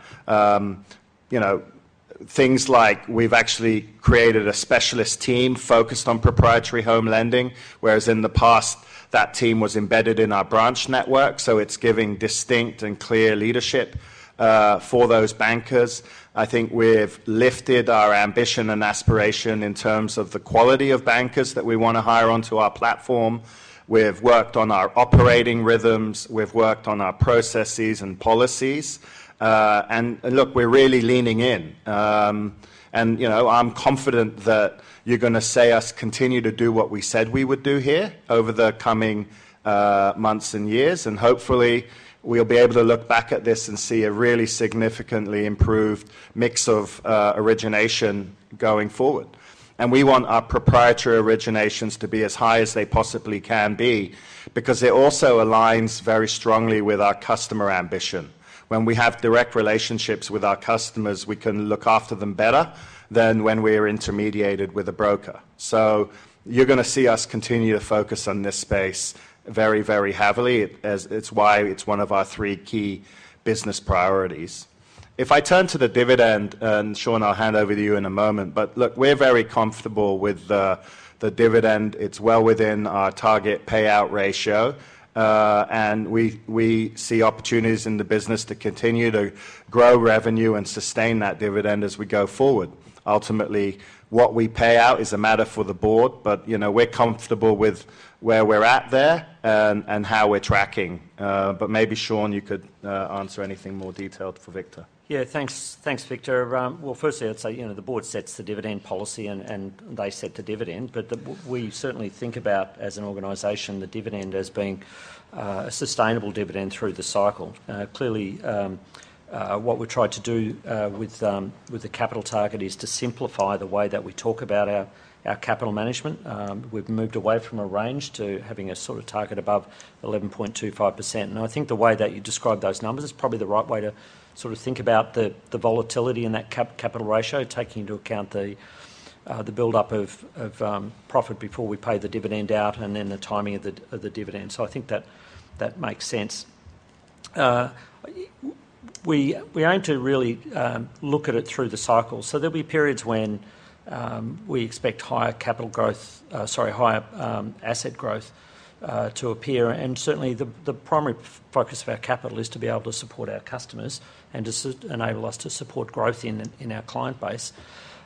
Things like we've actually created a specialist team focused on proprietary home lending, whereas in the past, that team was embedded in our branch network. It's giving distinct and clear leadership for those bankers. I think we've lifted our ambition and aspiration in terms of the quality of bankers that we want to hire onto our platform. We've worked on our operating rhythms. We've worked on our processes and policies. Look, we're really leaning in. I'm confident that you're going to see us continue to do what we said we would do here over the coming months and years. Hopefully, we'll be able to look back at this and see a really significantly improved mix of origination going forward. We want our proprietary originations to be as high as they possibly can be because it also aligns very strongly with our customer ambition. When we have direct relationships with our customers, we can look after them better than when we are intermediated with a broker. You're going to see us continue to focus on this space very, very heavily. It's why it's one of our three key business priorities. If I turn to the dividend, and Shaun, I'll hand over to you in a moment. Look, we're very comfortable with the dividend. It's well within our target payout ratio. We see opportunities in the business to continue to grow revenue and sustain that dividend as we go forward. Ultimately, what we pay out is a matter for the board, but we're comfortable with where we're at there and how we're tracking. Maybe, Shaun, you could answer anything more detailed for Victor. Yeah, thanks, Victor. Firstly, I'd say the board sets the dividend policy, and they set the dividend. We certainly think about, as an organization, the dividend as being a sustainable dividend through the cycle. Clearly, what we've tried to do with the capital target is to simplify the way that we talk about our capital management. We've moved away from a range to having a sort of target above 11.25%. I think the way that you describe those numbers is probably the right way to sort of think about the volatility in that capital ratio, taking into account the build-up of profit before we pay the dividend out and then the timing of the dividend. I think that makes sense. We aim to really look at it through the cycle. There will be periods when we expect higher capital growth, sorry, higher asset growth to appear. Certainly, the primary focus of our capital is to be able to support our customers and to enable us to support growth in our client base.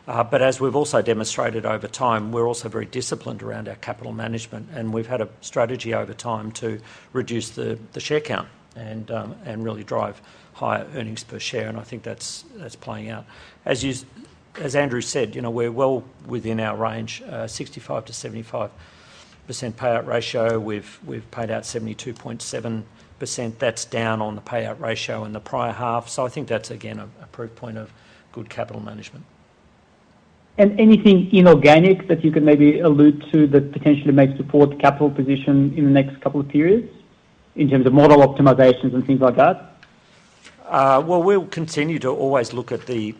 As we have also demonstrated over time, we are also very disciplined around our capital management, and we have had a strategy over time to reduce the share count and really drive higher earnings per share. I think that is playing out. As Andrew said, we're well within our range, 65-75% payout ratio. We've paid out 72.7%. That's down on the payout ratio in the prior half. I think that's, again, a proof point of good capital management. Anything inorganic that you can maybe allude to that potentially may support the capital position in the next couple of periods in terms of model optimizations and things like that? We'll continue to always look at the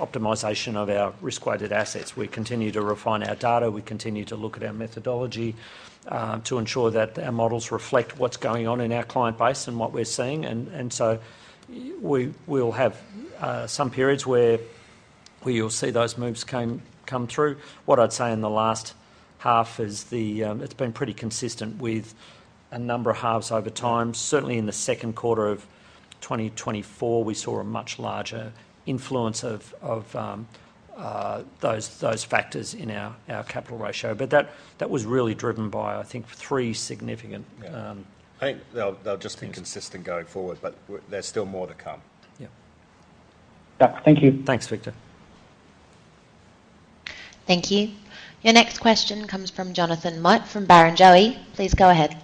optimization of our risk-weighted assets. We continue to refine our data. We continue to look at our methodology to ensure that our models reflect what's going on in our client base and what we're seeing. We'll have some periods where you'll see those moves come through. What I'd say in the last half is it's been pretty consistent with a number of halves over time. Certainly, in the second quarter of 2024, we saw a much larger influence of those factors in our capital ratio. That was really driven by, I think, three significant things. I think they'll just be consistent going forward, but there's still more to come. Thank you. Thanks, Victor. Thank you. Your next question comes from Jonathan Mott from Barrenjoey. Please go ahead.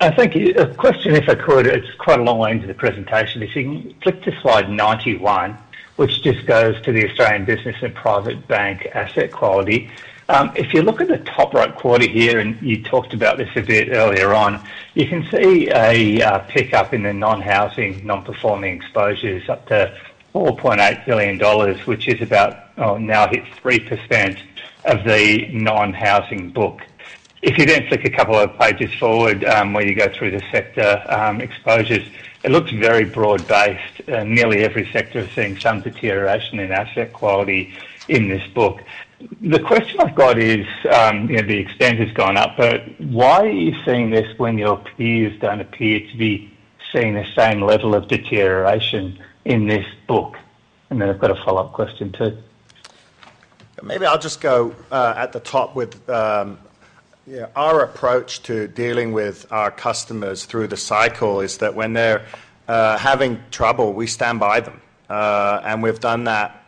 Thank you. A question, if I could. It's quite a long line to the presentation. If you can click to slide 91, which just goes to the Australian Business and Private Bank Asset Quality. If you look at the top right quarter here, and you talked about this a bit earlier on, you can see a pickup in the non-housing, non-performing exposures up to 4.8 billion dollars, which is about now hit 3% of the non-housing book. If you then flick a couple of pages forward when you go through the sector exposures, it looks very broad-based. Nearly every sector is seeing some deterioration in asset quality in this book. The question I've got is, the expense has gone up, but why are you seeing this when your peers do not appear to be seeing the same level of deterioration in this book? I have a follow-up question too. Maybe I will just go at the top with our approach to dealing with our customers through the cycle is that when they are having trouble, we stand by them. We have done that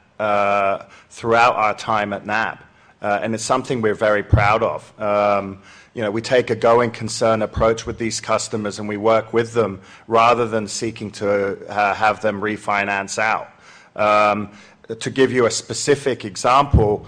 throughout our time at NAB. It is something we are very proud of. We take a going concern approach with these customers, and we work with them rather than seeking to have them refinance out. To give you a specific example,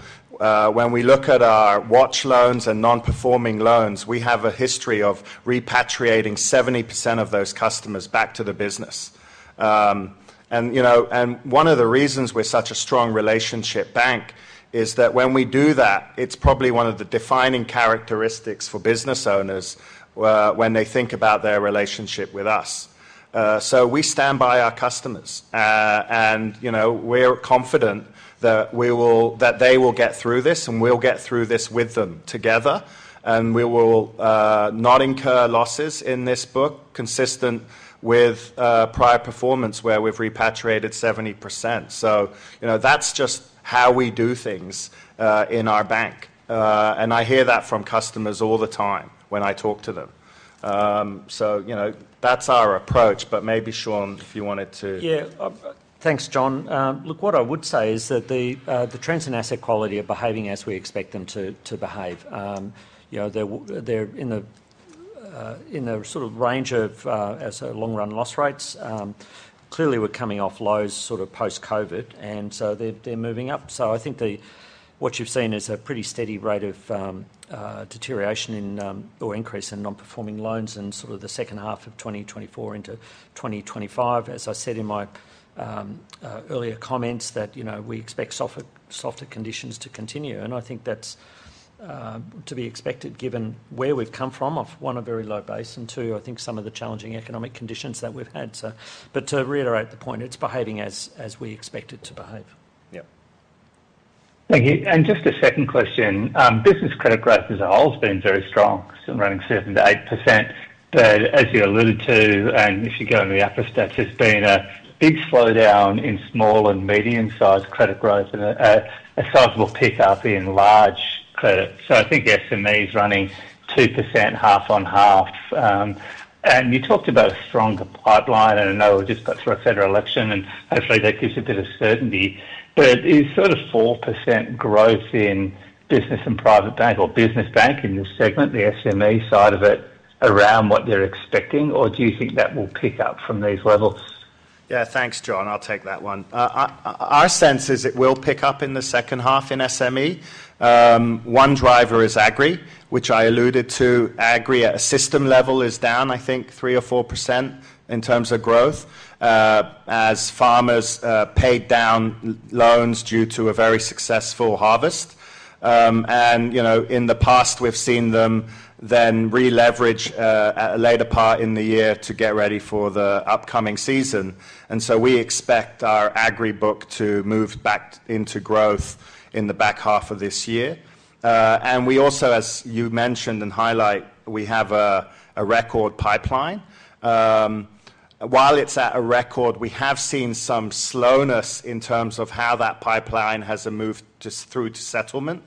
when we look at our watch loans and non-performing loans, we have a history of repatriating 70% of those customers back to the business. One of the reasons we're such a strong relationship bank is that when we do that, it's probably one of the defining characteristics for business owners when they think about their relationship with us. We stand by our customers, and we're confident that they will get through this, and we'll get through this with them together. We will not incur losses in this book, consistent with prior performance where we've repatriated 70%. That's just how we do things in our bank. I hear that from customers all the time when I talk to them. That's our approach. Maybe, Shaun, if you wanted to. Yeah. Thanks, John. Look, what I would say is that the trends in asset quality are behaving as we expect them to behave. They're in the sort of range of long-run loss rates. Clearly, we're coming off lows sort of post-COVID, and they're moving up. I think what you've seen is a pretty steady rate of deterioration or increase in non-performing loans in the second half of 2024 into 2025. As I said in my earlier comments, we expect softer conditions to continue. I think that's to be expected given where we've come from, of one, a very low base, and two, I think some of the challenging economic conditions that we've had. To reiterate the point, it's behaving as we expect it to behave. Yeah. Thank you. Just a second question. Business credit growth has always been very strong, running 7-8%. As you alluded to, and if you go on the upper stats, there's been a big slowdown in small and medium-sized credit growth and a sizable pickup in large credit. I think SME is running 2% half on half. You talked about a stronger pipeline, and I know we've just got through a federal election, and hopefully, that gives a bit of certainty. Is sort of 4% growth in business and private bank or business bank in this segment, the SME side of it, around what they're expecting, or do you think that will pick up from these levels? Yeah, thanks, John. I'll take that one. Our sense is it will pick up in the second half in SME. One driver is agri, which I alluded to. Agri at a system level is down, I think, 3% or 4% in terms of growth as farmers paid down loans due to a very successful harvest. In the past, we've seen them then re-leverage at a later part in the year to get ready for the upcoming season. We expect our agri book to move back into growth in the back half of this year. As you mentioned and highlight, we have a record pipeline. While it's at a record, we have seen some slowness in terms of how that pipeline has moved through to settlement,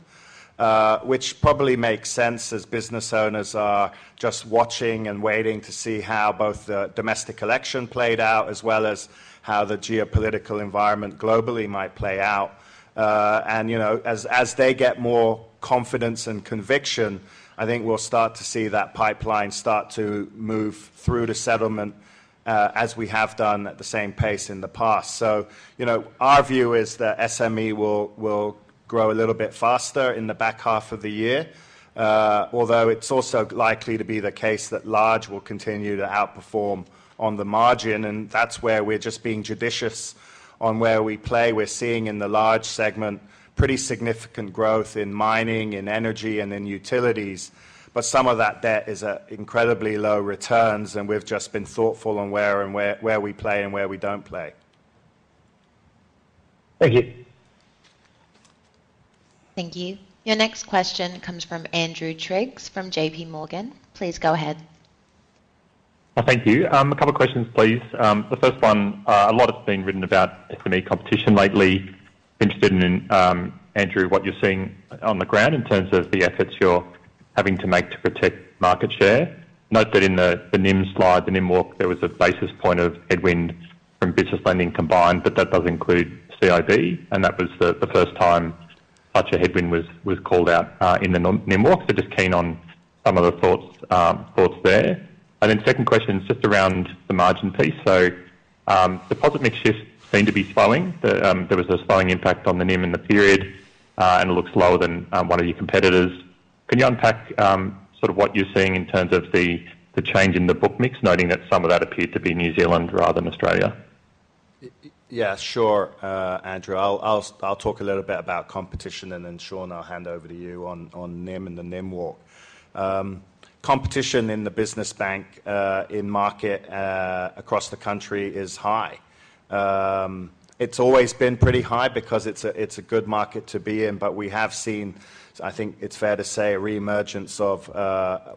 which probably makes sense as business owners are just watching and waiting to see how both the domestic election played out as well as how the geopolitical environment globally might play out. As they get more confidence and conviction, I think we'll start to see that pipeline start to move through to settlement as we have done at the same pace in the past. Our view is that SME will grow a little bit faster in the back half of the year, although it's also likely to be the case that large will continue to outperform on the margin. That's where we're just being judicious on where we play. We're seeing in the large segment pretty significant growth in mining, in energy, and in utilities. Some of that debt is at incredibly low returns, and we've just been thoughtful on where we play and where we don't play. Thank you. Thank you. Your next question comes from Andrew Triggs from JPMorgan. Please go ahead. Thank you. A couple of questions, please. The first one, a lot has been written about SME competition lately. Interested in, Andrew, what you're seeing on the ground in terms of the efforts you're having to make to protect market share. Note that in the NIM slide, the NIM walk, there was a basis point of headwind from business lending combined, but that does include CIB. That was the first time such a headwind was called out in the NIM walk. Just keen on some of the thoughts there. The second question is just around the margin piece. Deposit mix shifts seem to be slowing. There was a slowing impact on the NIM in the period, and it looks lower than one of your competitors. Can you unpack sort of what you're seeing in terms of the change in the book mix, noting that some of that appeared to be New Zealand rather than Australia? Yeah, sure, Andrew. I'll talk a little bit about competition, and then Shaun, I'll hand over to you on NIM and the NIM walk. Competition in the business bank in market across the country is high. It's always been pretty high because it's a good market to be in. We have seen, I think it's fair to say, a reemergence of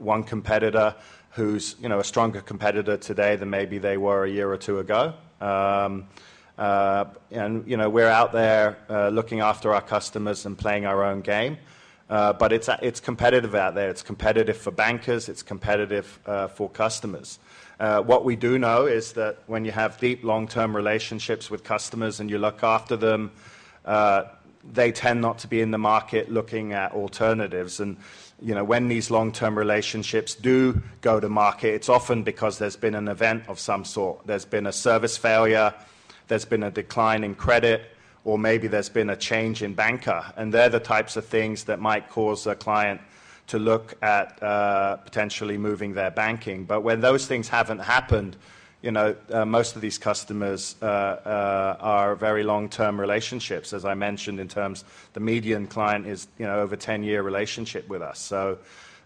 one competitor who's a stronger competitor today than maybe they were a year or two ago. We are out there looking after our customers and playing our own game. It is competitive out there. It's competitive for bankers. It's competitive for customers. What we do know is that when you have deep long-term relationships with customers and you look after them, they tend not to be in the market looking at alternatives. When these long-term relationships do go to market, it's often because there's been an event of some sort. There's been a service failure. There's been a decline in credit, or maybe there's been a change in banker. They're the types of things that might cause a client to look at potentially moving their banking. When those things haven't happened, most of these customers are very long-term relationships, as I mentioned, in terms the median client is over a 10-year relationship with us.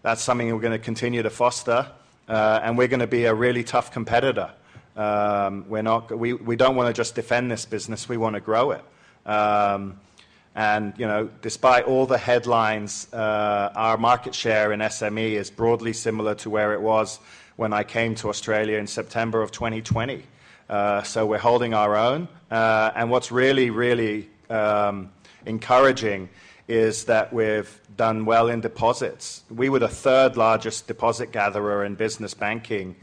That's something we're going to continue to foster, and we're going to be a really tough competitor. We don't want to just defend this business. We want to grow it. Despite all the headlines, our market share in SME is broadly similar to where it was when I came to Australia in September of 2020. We are holding our own. What is really, really encouraging is that we have done well in deposits. We were the third largest deposit gatherer in business banking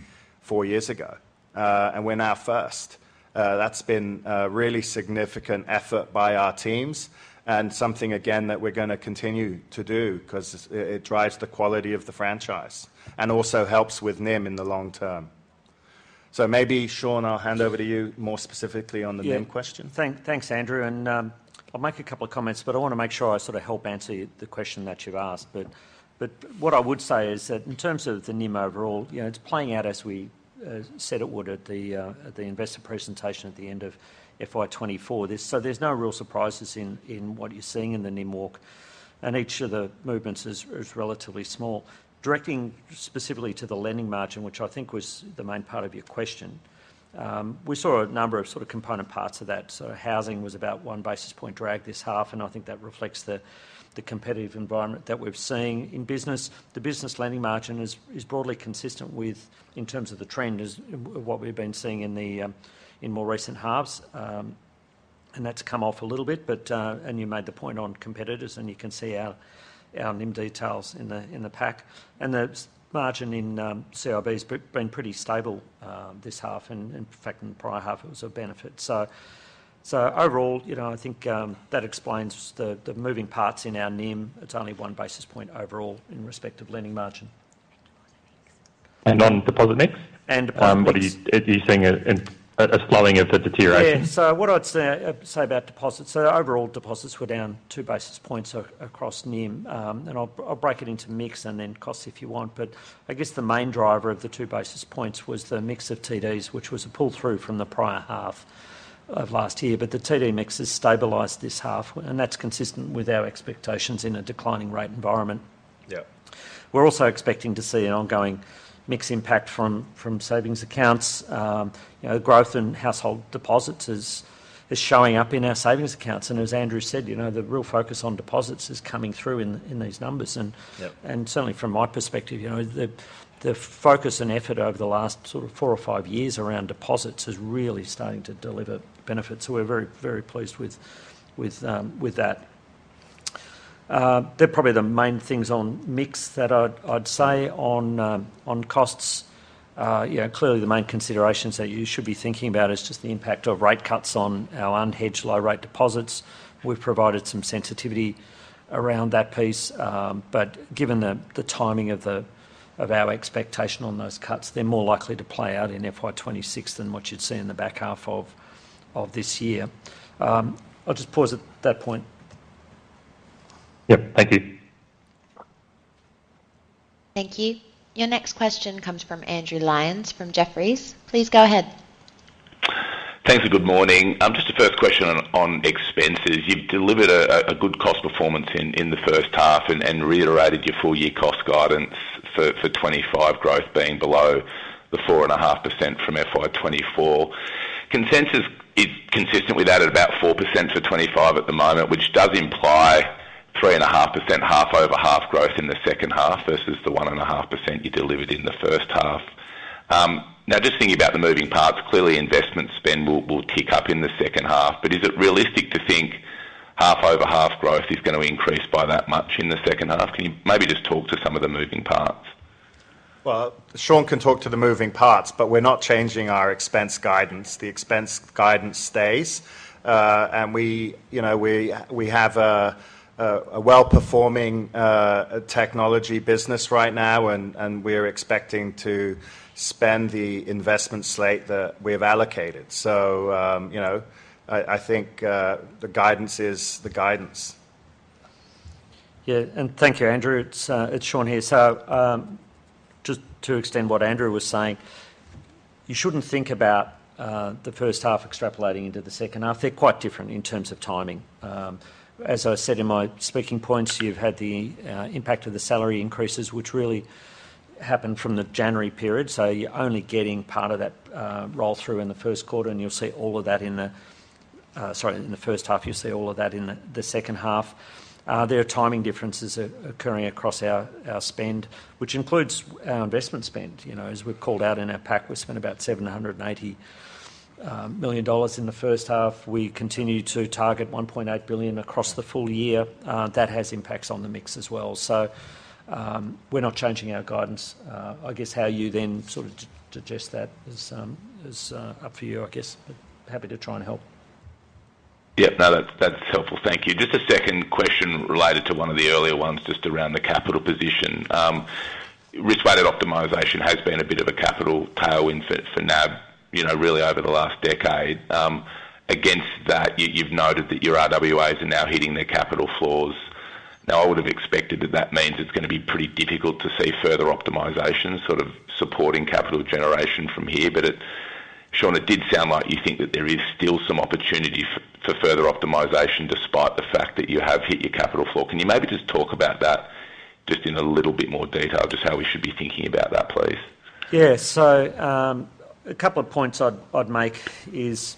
four years ago, and we are now first. That has been a really significant effort by our teams and something, again, that we are going to continue to do because it drives the quality of the franchise and also helps with NIM in the long term. Maybe, Shaun, I will hand over to you more specifically on the NIM question. Thanks, Andrew. I will make a couple of comments, but I want to make sure I sort of help answer the question that you have asked. What I would say is that in terms of the NIM overall, it is playing out as we said it would at the investor presentation at the end of FY24. There are no real surprises in what you are seeing in the NIM walk, and each of the movements is relatively small. Directing specifically to the lending margin, which I think was the main part of your question, we saw a number of sort of component parts of that. Housing was about one basis point drag this half, and I think that reflects the competitive environment that we have seen in business. The business lending margin is broadly consistent with, in terms of the trend, what we have been seeing in more recent halves. That has come off a little bit, and you made the point on competitors, and you can see our NIM details in the pack. The margin in CIB has been pretty stable this half. In fact, in the prior half, it was a benefit. Overall, I think that explains the moving parts in our NIM. It is only one basis point overall in respect of lending margin. On deposit mix? Deposit mix. Are you seeing a slowing of the deterioration? Yeah. What I would say about deposits, overall, deposits were down two basis points across NIM. I will break it into mix and then cost if you want. I guess the main driver of the two basis points was the mix of TDs, which was a pull-through from the prior half of last year. The TD mix has stabilized this half, and that is consistent with our expectations in a declining rate environment. Yeah. We are also expecting to see an ongoing mix impact from savings accounts. Growth in household deposits is showing up in our savings accounts. As Andrew said, the real focus on deposits is coming through in these numbers. Certainly, from my perspective, the focus and effort over the last four or five years around deposits is really starting to deliver benefits. We are very, very pleased with that. They are probably the main things on mix that I would say on costs. Clearly, the main considerations that you should be thinking about is just the impact of rate cuts on our unhedged low-rate deposits. We have provided some sensitivity around that piece. Given the timing of our expectation on those cuts, they are more likely to play out in FY26 than what you would see in the back half of this year. I will just pause at that point. Yes. Thank you. Thank you. Your next question comes from Andrew Lyons from Jefferies. Please go ahead. Thanks for good morning. Just a first question on expenses. You've delivered a good cost performance in the first half and reiterated your four-year cost guidance for 2025, growth being below the 4.5% from FY2024. Consensus is consistent with that at about 4% for 2025 at the moment, which does imply 3.5% half over half growth in the second half versus the 1.5% you delivered in the first half. Now, just thinking about the moving parts, clearly, investment spend will tick up in the second half. Is it realistic to think half over half growth is going to increase by that much in the second half? Can you maybe just talk to some of the moving parts? Shaun can talk to the moving parts, but we're not changing our expense guidance. The expense guidance stays. We have a well-performing technology business right now, and we're expecting to spend the investment slate that we've allocated. I think the guidance is the guidance. Thank you, Andrew. It's Shaun here. Just to extend what Andrew was saying, you shouldn't think about the first half extrapolating into the second half. They're quite different in terms of timing. As I said in my speaking points, you've had the impact of the salary increases, which really happened from the January period. You're only getting part of that roll-through in the first quarter, and you'll see all of that in the first half. You'll see all of that in the second half. There are timing differences occurring across our spend, which includes our investment spend. As we've called out in our pack, we spent about 780 million dollars in the first half. We continue to target 1.8 billion across the full year. That has impacts on the mix as well. We are not changing our guidance. I guess how you then sort of digest that is up to you, I guess. Happy to try and help. Yep. No, that is helpful. Thank you. Just a second question related to one of the earlier ones just around the capital position. Risk-weighted optimization has been a bit of a capital tailwind for NAB really over the last decade. Against that, you have noted that your RWAs are now hitting their capital floors. I would have expected that that means it is going to be pretty difficult to see further optimization sort of supporting capital generation from here. Shaun, it did sound like you think that there is still some opportunity for further optimization despite the fact that you have hit your capital floor. Can you maybe just talk about that just in a little bit more detail, just how we should be thinking about that, please? Yeah. A couple of points I'd make is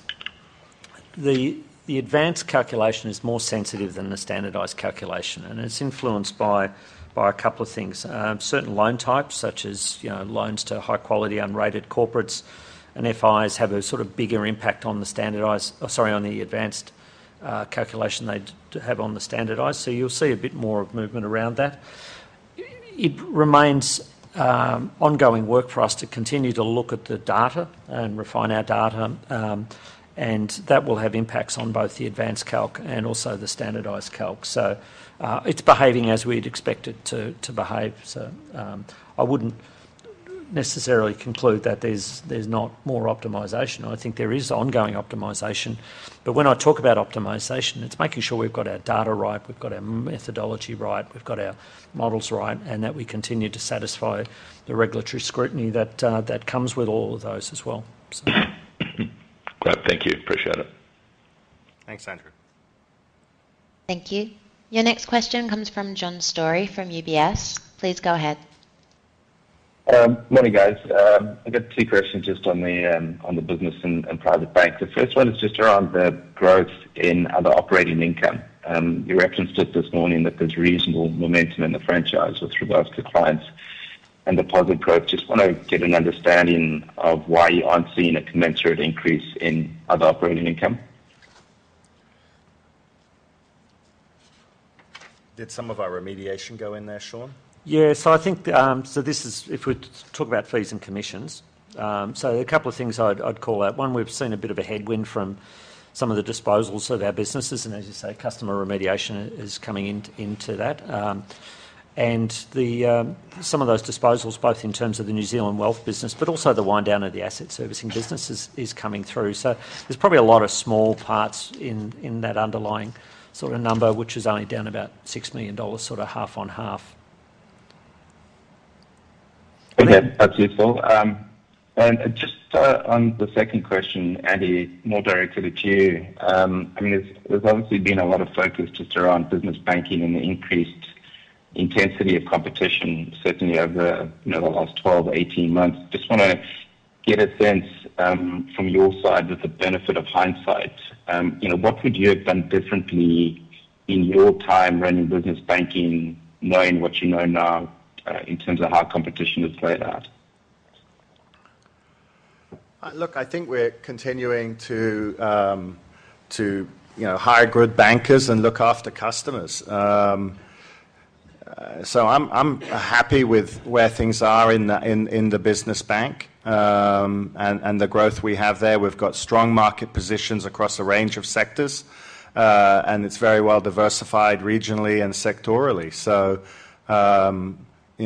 the advanced calculation is more sensitive than the standardized calculation, and it's influenced by a couple of things. Certain loan types, such as loans to high-quality unrated corporates, and FIs have a sort of bigger impact on the standardized—sorry, on the advanced calculation than they have on the standardized. You will see a bit more of movement around that. It remains ongoing work for us to continue to look at the data and refine our data, and that will have impacts on both the advanced calc and also the standardized calc. It is behaving as we'd expect it to behave. I would not necessarily conclude that there's not more optimization. I think there is ongoing optimization. When I talk about optimization, it's making sure we've got our data right, we've got our methodology right, we've got our models right, and that we continue to satisfy the regulatory scrutiny that comes with all of those as well. Great. Thank you. Appreciate it. Thanks, Andrew. Thank you. Your next question comes from John Storey from UBS. Please go ahead. Morning, guys. I've got two questions just on the business and private bank. The first one is just around the growth in other operating income. You referenced it this morning that there's reasonable momentum in the franchise with regards to clients and deposit growth. Just want to get an understanding of why you aren't seeing a commensurate increase in other operating income. Did some of our remediation go in there, Shaun? Yeah. I think if we talk about fees and commissions, a couple of things I'd call out. One, we've seen a bit of a headwind from some of the disposals of our businesses. As you say, customer remediation is coming into that. Some of those disposals, both in terms of the New Zealand wealth business, but also the wind down of the asset servicing business, is coming through. There's probably a lot of small parts in that underlying sort of number, which is only down about 6 million dollars, half on half. Okay. That's useful. Just on the second question, Andy, more directed at you. I mean, there's obviously been a lot of focus just around business banking and the increased intensity of competition, certainly over the last 12-18 months. Just want to get a sense from your side with the benefit of hindsight. What would you have done differently in your time running business banking, knowing what you know now in terms of how competition has played out? Look, I think we're continuing to hire good bankers and look after customers. I am happy with where things are in the business bank and the growth we have there. We have strong market positions across a range of sectors, and it is very well diversified regionally and sectorally. That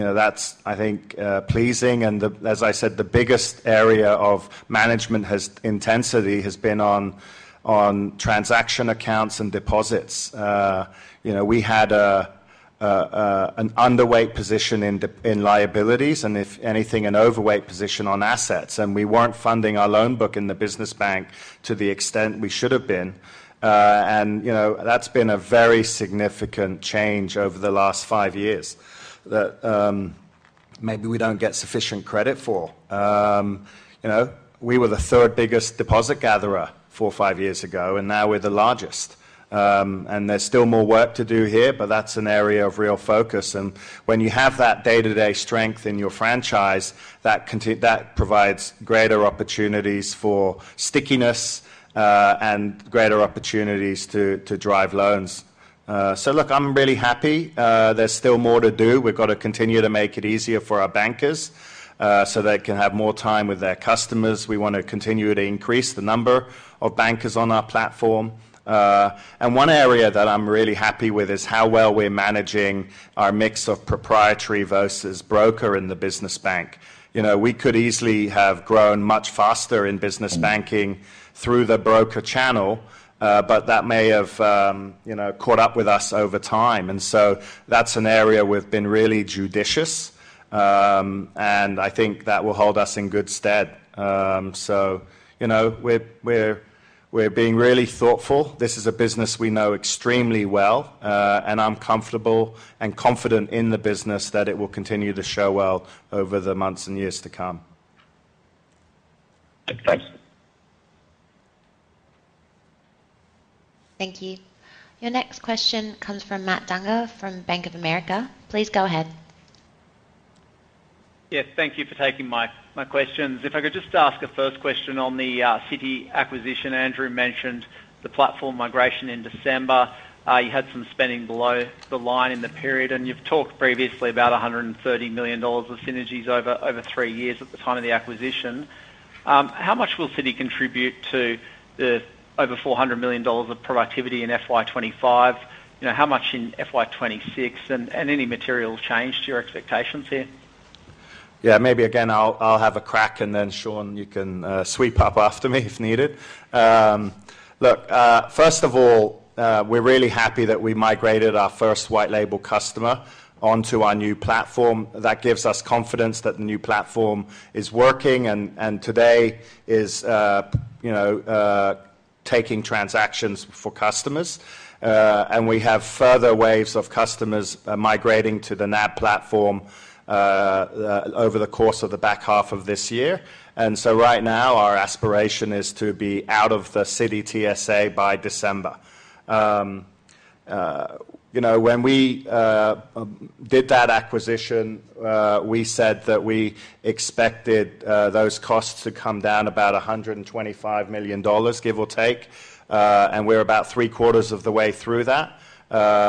is, I think, pleasing. As I said, the biggest area of management intensity has been on transaction accounts and deposits. We had an underweight position in liabilities and, if anything, an overweight position on assets. We were not funding our loan book in the business bank to the extent we should have been. That has been a very significant change over the last five years that maybe we do not get sufficient credit for. We were the third biggest deposit gatherer four or five years ago, and now we are the largest. There is still more work to do here, but that is an area of real focus. When you have that day-to-day strength in your franchise, that provides greater opportunities for stickiness and greater opportunities to drive loans. I am really happy. There is still more to do. We have to continue to make it easier for our bankers so they can have more time with their customers. We want to continue to increase the number of bankers on our platform. One area that I am really happy with is how well we are managing our mix of proprietary versus broker in the business bank. We could easily have grown much faster in business banking through the broker channel, but that may have caught up with us over time. That is an area we've been really judicious, and I think that will hold us in good stead. We're being really thoughtful. This is a business we know extremely well, and I'm comfortable and confident in the business that it will continue to show well over the months and years to come. Thank you. Your next question comes from Matt Dunger from Bank of America. Please go ahead. Yes. Thank you for taking my questions. If I could just ask a first question on the Citi acquisition. Andrew mentioned the platform migration in December. You had some spending below the line in the period, and you've talked previously about 130 million dollars of synergies over three years at the time of the acquisition. How much will Citi contribute to the over 400 million dollars of productivity in FY25? How much in FY26? Any material change to your expectations here? Yeah. Maybe again, I'll have a crack, and then Shaun, you can sweep up after me if needed. Look, first of all, we're really happy that we migrated our first white-label customer onto our new platform. That gives us confidence that the new platform is working and today is taking transactions for customers. We have further waves of customers migrating to the NAB platform over the course of the back half of this year. Right now, our aspiration is to be out of the Citi TSA by December. When we did that acquisition, we said that we expected those costs to come down about 125 million dollars, give or take, and we're about three-quarters of the way through that,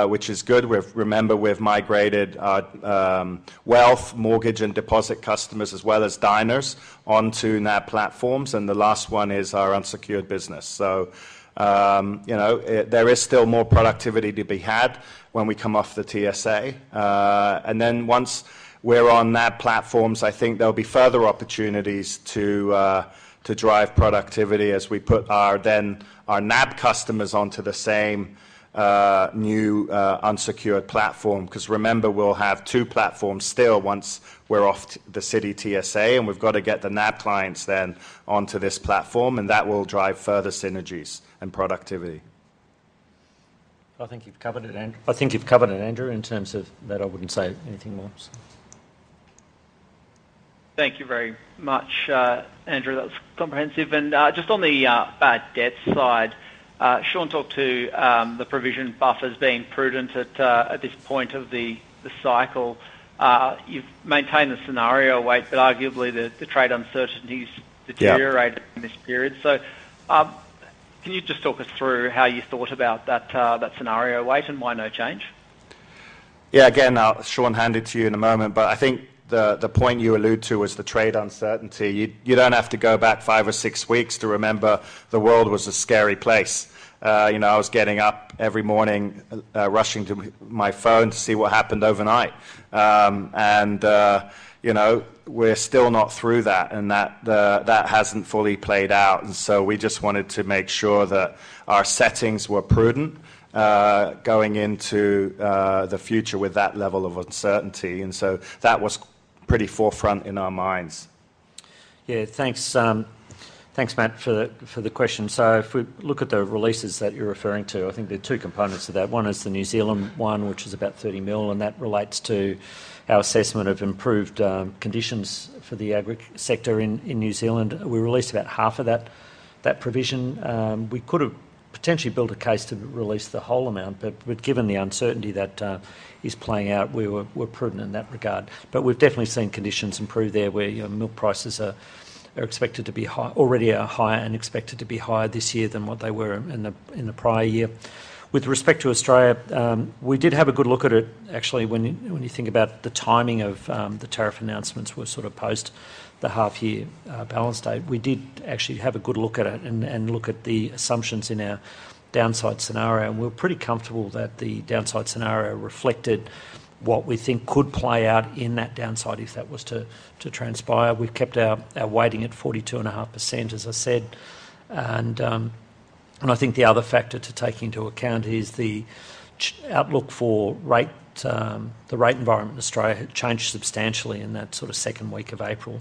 which is good. Remember, we've migrated our wealth, mortgage, and deposit customers as well as diners onto NAB platforms. The last one is our unsecured business. There is still more productivity to be had when we come off the TSA. Once we're on NAB platforms, I think there'll be further opportunities to drive productivity as we put our NAB customers onto the same new unsecured platform. Because remember, we'll have two platforms still once we're off the Citi TSA, and we've got to get the NAB clients then onto this platform, and that will drive further synergies and productivity. I think you've covered it, Andrew. I think you've covered it, Andrew, in terms of that. I wouldn't say anything more. Thank you very much, Andrew. That was comprehensive. Just on the bad debt side, Shaun talked to the provision buffers being prudent at this point of the cycle. You've maintained the scenario weight, but arguably the trade uncertainties deteriorated in this period. Can you just talk us through how you thought about that scenario weight and why no change? Yeah. Again, Shaun, hand it to you in a moment. I think the point you allude to was the trade uncertainty. You do not have to go back five or six weeks to remember the world was a scary place. I was getting up every morning rushing to my phone to see what happened overnight. We are still not through that, and that has not fully played out. We just wanted to make sure that our settings were prudent going into the future with that level of uncertainty. That was pretty forefront in our minds. Yeah. Thanks, Matt, for the question. If we look at the releases that you're referring to, I think there are two components to that. One is the New Zealand one, which is about 30 million, and that relates to our assessment of improved conditions for the agri sector in New Zealand. We released about half of that provision. We could have potentially built a case to release the whole amount, but given the uncertainty that is playing out, we were prudent in that regard. We've definitely seen conditions improve there where milk prices are already higher and expected to be higher this year than what they were in the prior year. With respect to Australia, we did have a good look at it, actually. When you think about the timing of the tariff announcements were sort of post the half-year balance date, we did actually have a good look at it and look at the assumptions in our downside scenario. We were pretty comfortable that the downside scenario reflected what we think could play out in that downside if that was to transpire. We've kept our weighting at 42.5%, as I said. I think the other factor to take into account is the outlook for the rate environment in Australia had changed substantially in that sort of second week of April.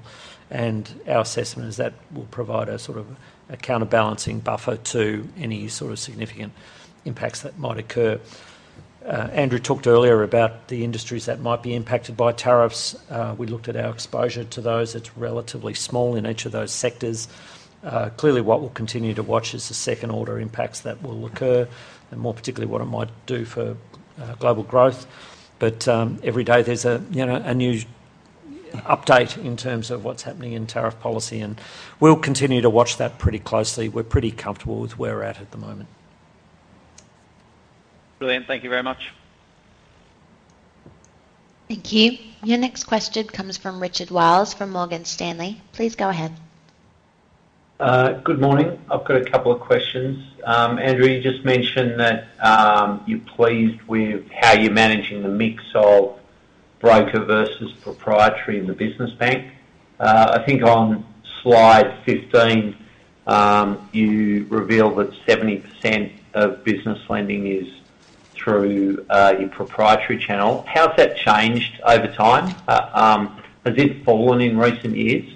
Our assessment is that will provide a sort of a counterbalancing buffer to any sort of significant impacts that might occur. Andrew talked earlier about the industries that might be impacted by tariffs. We looked at our exposure to those. It's relatively small in each of those sectors. Clearly, what we'll continue to watch is the second-order impacts that will occur, and more particularly what it might do for global growth. Every day, there's a new update in terms of what's happening in tariff policy. We'll continue to watch that pretty closely. We're pretty comfortable with where we're at at the moment. Brilliant. Thank you very much. Thank you. Your next question comes from Richard Wiles from Morgan Stanley. Please go ahead. Good morning. I've got a couple of questions. Andrew, you just mentioned that you're pleased with how you're managing the mix of broker versus proprietary in the business bank. I think on slide 15, you revealed that 70% of business lending is through your proprietary channel. How's that changed over time? Has it fallen in recent years?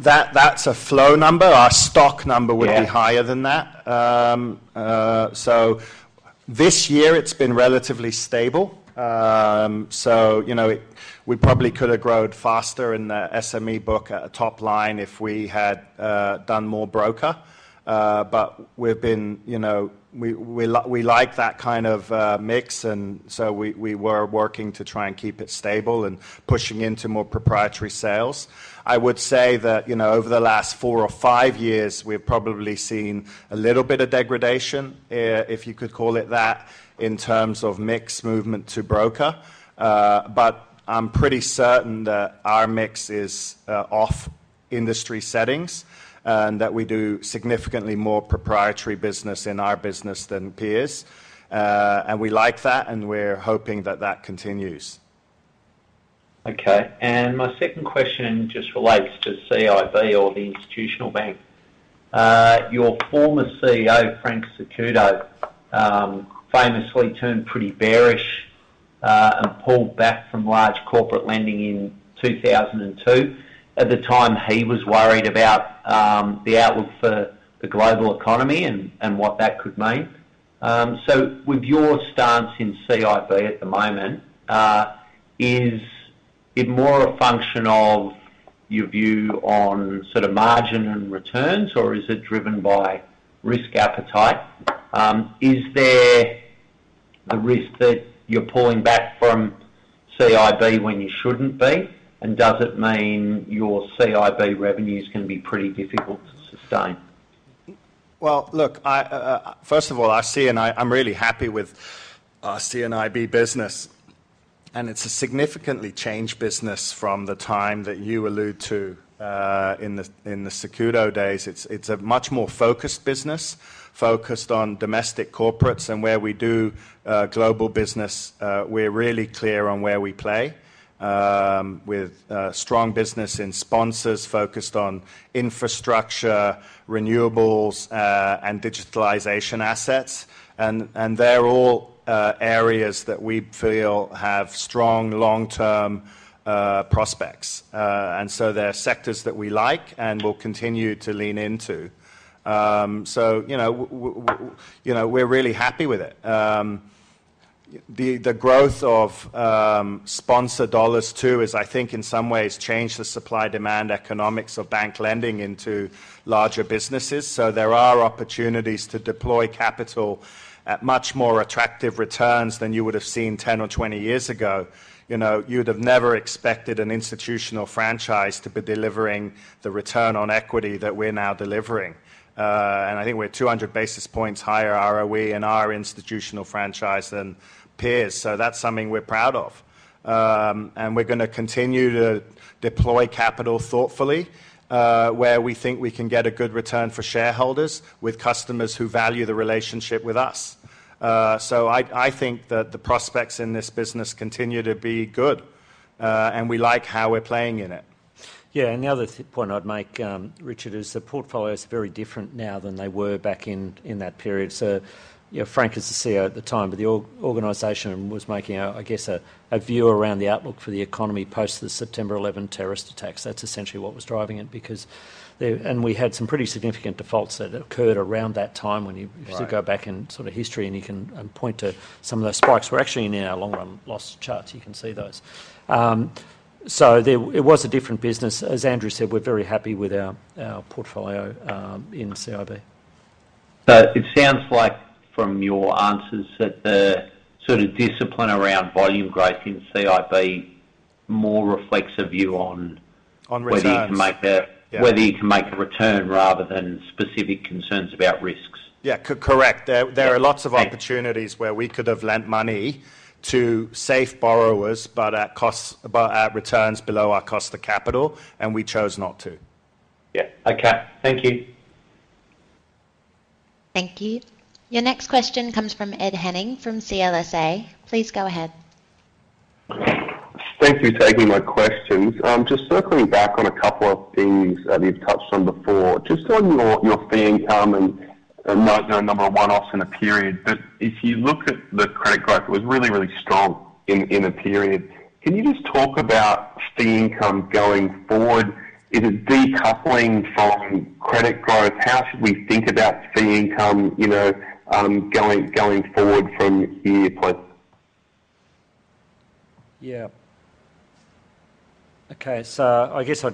That's a flow number. Our stock number would be higher than that. This year, it's been relatively stable. We probably could have grown faster in the SME book at a top line if we had done more broker. We like that kind of mix, and we were working to try and keep it stable and pushing into more proprietary sales. I would say that over the last four or five years, we've probably seen a little bit of degradation, if you could call it that, in terms of mix movement to broker. I'm pretty certain that our mix is off-industry settings and that we do significantly more proprietary business in our business than peers. We like that, and we're hoping that that continues. Okay. My second question just relates to CIB or the institutional bank. Your former CEO, Frank Cicutto, famously turned pretty bearish and pulled back from large corporate lending in 2002. At the time, he was worried about the outlook for the global economy and what that could mean. With your stance in CIB at the moment, is it more a function of your view on sort of margin and returns, or is it driven by risk appetite? Is there the risk that you're pulling back from CIB when you shouldn't be? Does it mean your CIB revenues can be pretty difficult to sustain? First of all, I see and I'm really happy with our CIB business. It's a significantly changed business from the time that you allude to in the Cicutto days. It's a much more focused business, focused on domestic corporates. Where we do global business, we're really clear on where we play with strong business in sponsors focused on infrastructure, renewables, and digitalization assets. They're all areas that we feel have strong long-term prospects. They are sectors that we like and will continue to lean into. We are really happy with it. The growth of sponsor dollars too has, I think, in some ways, changed the supply-demand economics of bank lending into larger businesses. There are opportunities to deploy capital at much more attractive returns than you would have seen 10 or 20 years ago. You would have never expected an institutional franchise to be delivering the return on equity that we are now delivering. I think we are 200 basis points higher ROE in our institutional franchise than peers. That is something we are proud of. We are going to continue to deploy capital thoughtfully where we think we can get a good return for shareholders with customers who value the relationship with us. I think that the prospects in this business continue to be good, and we like how we're playing in it. Yeah. The other point I'd make, Richard, is the portfolio is very different now than they were back in that period. Frank is the CEO at the time, but the organization was making, I guess, a view around the outlook for the economy post the September 11 terrorist attacks. That's essentially what was driving it. We had some pretty significant defaults that occurred around that time when you sort of go back in sort of history, and you can point to some of those spikes. We're actually in our long-run loss charts. You can see those. It was a different business. As Andrew said, we're very happy with our portfolio in CIB. It sounds like from your answers that the sort of discipline around volume growth in CIB more reflects a view on whether you can make a return rather than specific concerns about risks. Yeah. Correct. There are lots of opportunities where we could have lent money to safe borrowers, but at returns below our cost of capital, and we chose not to. Yeah. Okay. Thank you. Thank you. Your next question comes from Ed Henning from CLSA. Please go ahead. Thank you for taking my questions. Just circling back on a couple of things that we've touched on before. Just on your fee income and note no number of one-offs in a period. If you look at the credit growth, it was really, really strong in a period. Can you just talk about fee income going forward? Is it decoupling from credit growth? How should we think about fee income going forward from here? Yeah. Okay. I guess if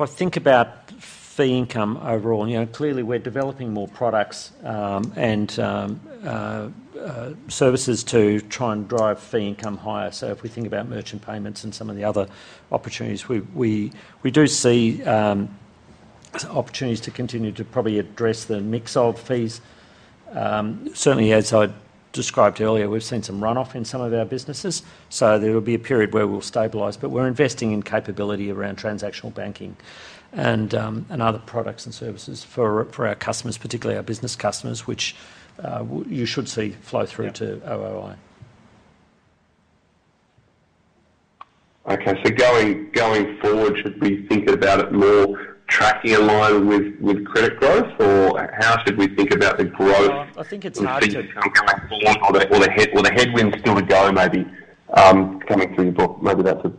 I think about fee income overall, clearly, we're developing more products and services to try and drive fee income higher. If we think about merchant payments and some of the other opportunities, we do see opportunities to continue to probably address the mix of fees. Certainly, as I described earlier, we've seen some run-off in some of our businesses. There will be a period where we'll stabilize. We're investing in capability around transactional banking and other products and services for our customers, particularly our business customers, which you should see flow through to OOI. Okay. Going forward, should we think about it more tracking in line with credit growth, or how should we think about the growth? I think it's hard to think about going forward. Or the headwinds still to go maybe coming through the book. Maybe that's a